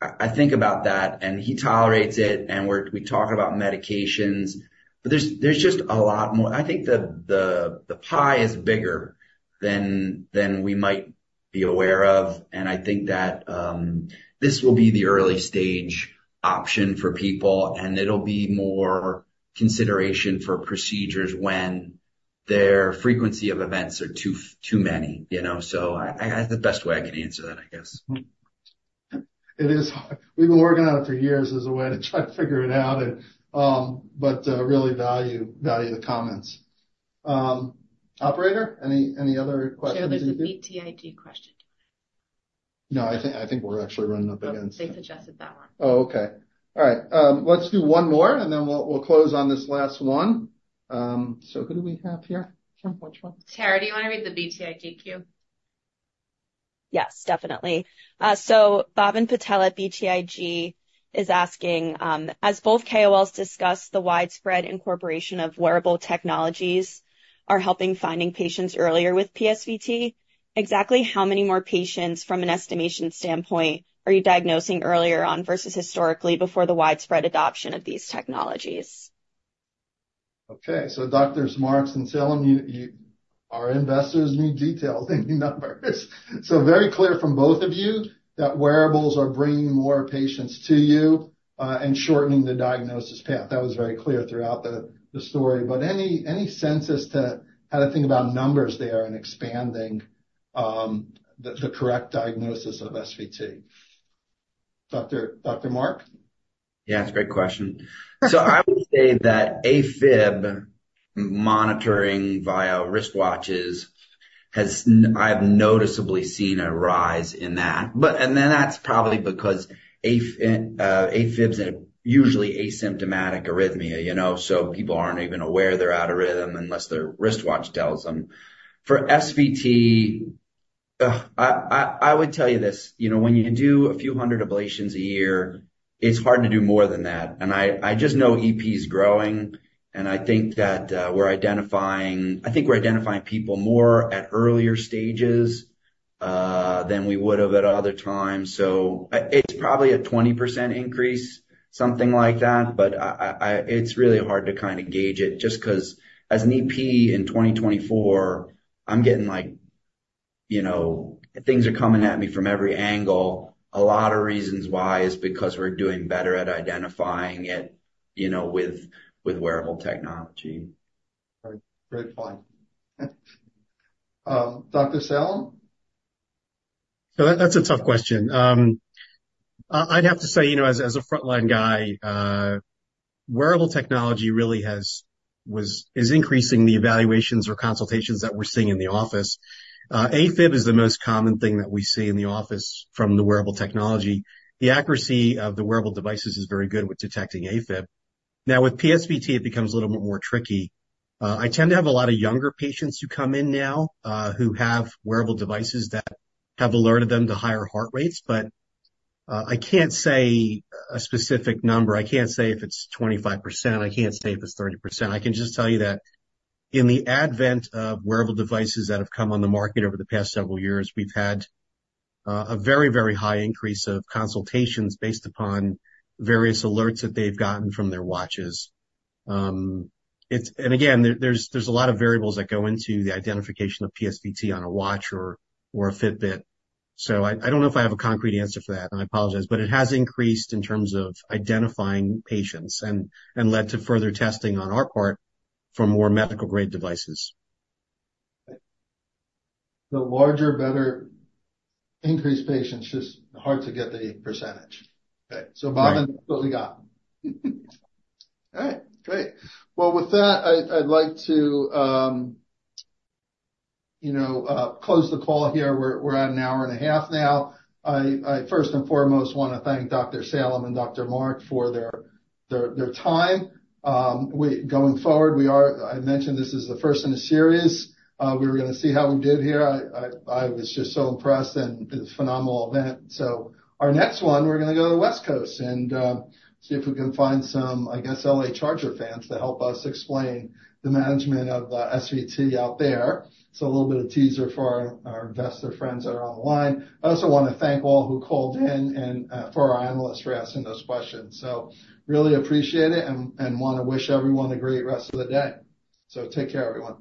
I think about that, and he tolerates it, and we talk about medications. There's just a lot more. I think the pie is bigger than we might be aware of, and I think that this will be the early stage option for people, and it'll be more consideration for procedures when their frequency of events are too many. That's the best way I can answer that, I guess. It is hard. We've been working on it for years as a way to try to figure it out, but really value the comments. Operator, any other questions you could- Sir, there's a BTIG question. No, I think we're actually running up against. They've adjusted that one. Oh, okay. All right. Let's do one more, and then we'll close on this last one. Who do we have here? Tara, do you want to read the BTIG queue? Yes, definitely. Bhavin Patel at BTIG is asking, as both KOLs discuss the widespread incorporation of wearable technologies are helping finding patients earlier with PSVT, exactly how many more patients from an estimation standpoint are you diagnosing earlier on versus historically before the widespread adoption of these technologies? Okay. Doctors Mark and Sailam, our investors need details and numbers. Very clear from both of you that wearables are bringing more patients to you and shortening the diagnosis path. That was very clear throughout the story. Any sense as to how to think about numbers there and expanding the correct diagnosis of SVT? Dr. Mark? Yeah. It's a great question. I would say that AFib monitoring via wristwatches, I've noticeably seen a rise in that. That's probably because AFib's a usually asymptomatic arrhythmia, so people aren't even aware they're out of rhythm unless their wristwatch tells them. For SVT, I would tell you this. When you do a few hundred ablations a year, it's hard to do more than that. I just know EP is growing, and I think that we're identifying people more at earlier stages, than we would've at other times. It's probably a 20% increase, something like that. It's really hard to gauge it just because as an EP in 2024, things are coming at me from every angle. A lot of reasons why is because we're doing better at identifying it with wearable technology. Great point. Dr. Sailam? That's a tough question. I'd have to say as a frontline guy, wearable technology really is increasing the evaluations or consultations that we're seeing in the office. AFib is the most common thing that we see in the office from the wearable technology. The accuracy of the wearable devices is very good with detecting AFib. Now with PSVT, it becomes a little bit more tricky. I tend to have a lot of younger patients who come in now, who have wearable devices that have alerted them to higher heart rates, but I can't say a specific number. I can't say if it's 25%. I can't say if it's 30%. I can just tell you that with the advent of wearable devices that have come on the market over the past several years, we've had a very high increase of consultations based upon various alerts that they've gotten from their watches. Again, there's a lot of variables that go into the identification of PSVT on a watch or a Fitbit. I don't know if I have a concrete answer for that, and I apologize, but it has increased in terms of identifying patients and led to further testing on our part for more medical-grade devices. The larger, better increased patients, just hard to get the percentage. Okay. Right. Bhavin, that's what we got. All right, great. Well, with that, I'd like to close the call here. We're at an hour and a half now. I first and foremost want to thank Dr. Sailam and Dr. Mark for their time. Going forward, I mentioned this is the first in a series. We were going to see how we did here. I was just so impressed, and it was a phenomenal event. Our next one, we're going to go to the West Coast and see if we can find some, I guess, L.A. Charger fans to help us explain the management of the SVT out there. A little bit of teaser for our investor friends that are online. I also want to thank all who called in and for our analysts for asking those questions. I really appreciate it, and I want to wish everyone a great rest of the day. Take care, everyone.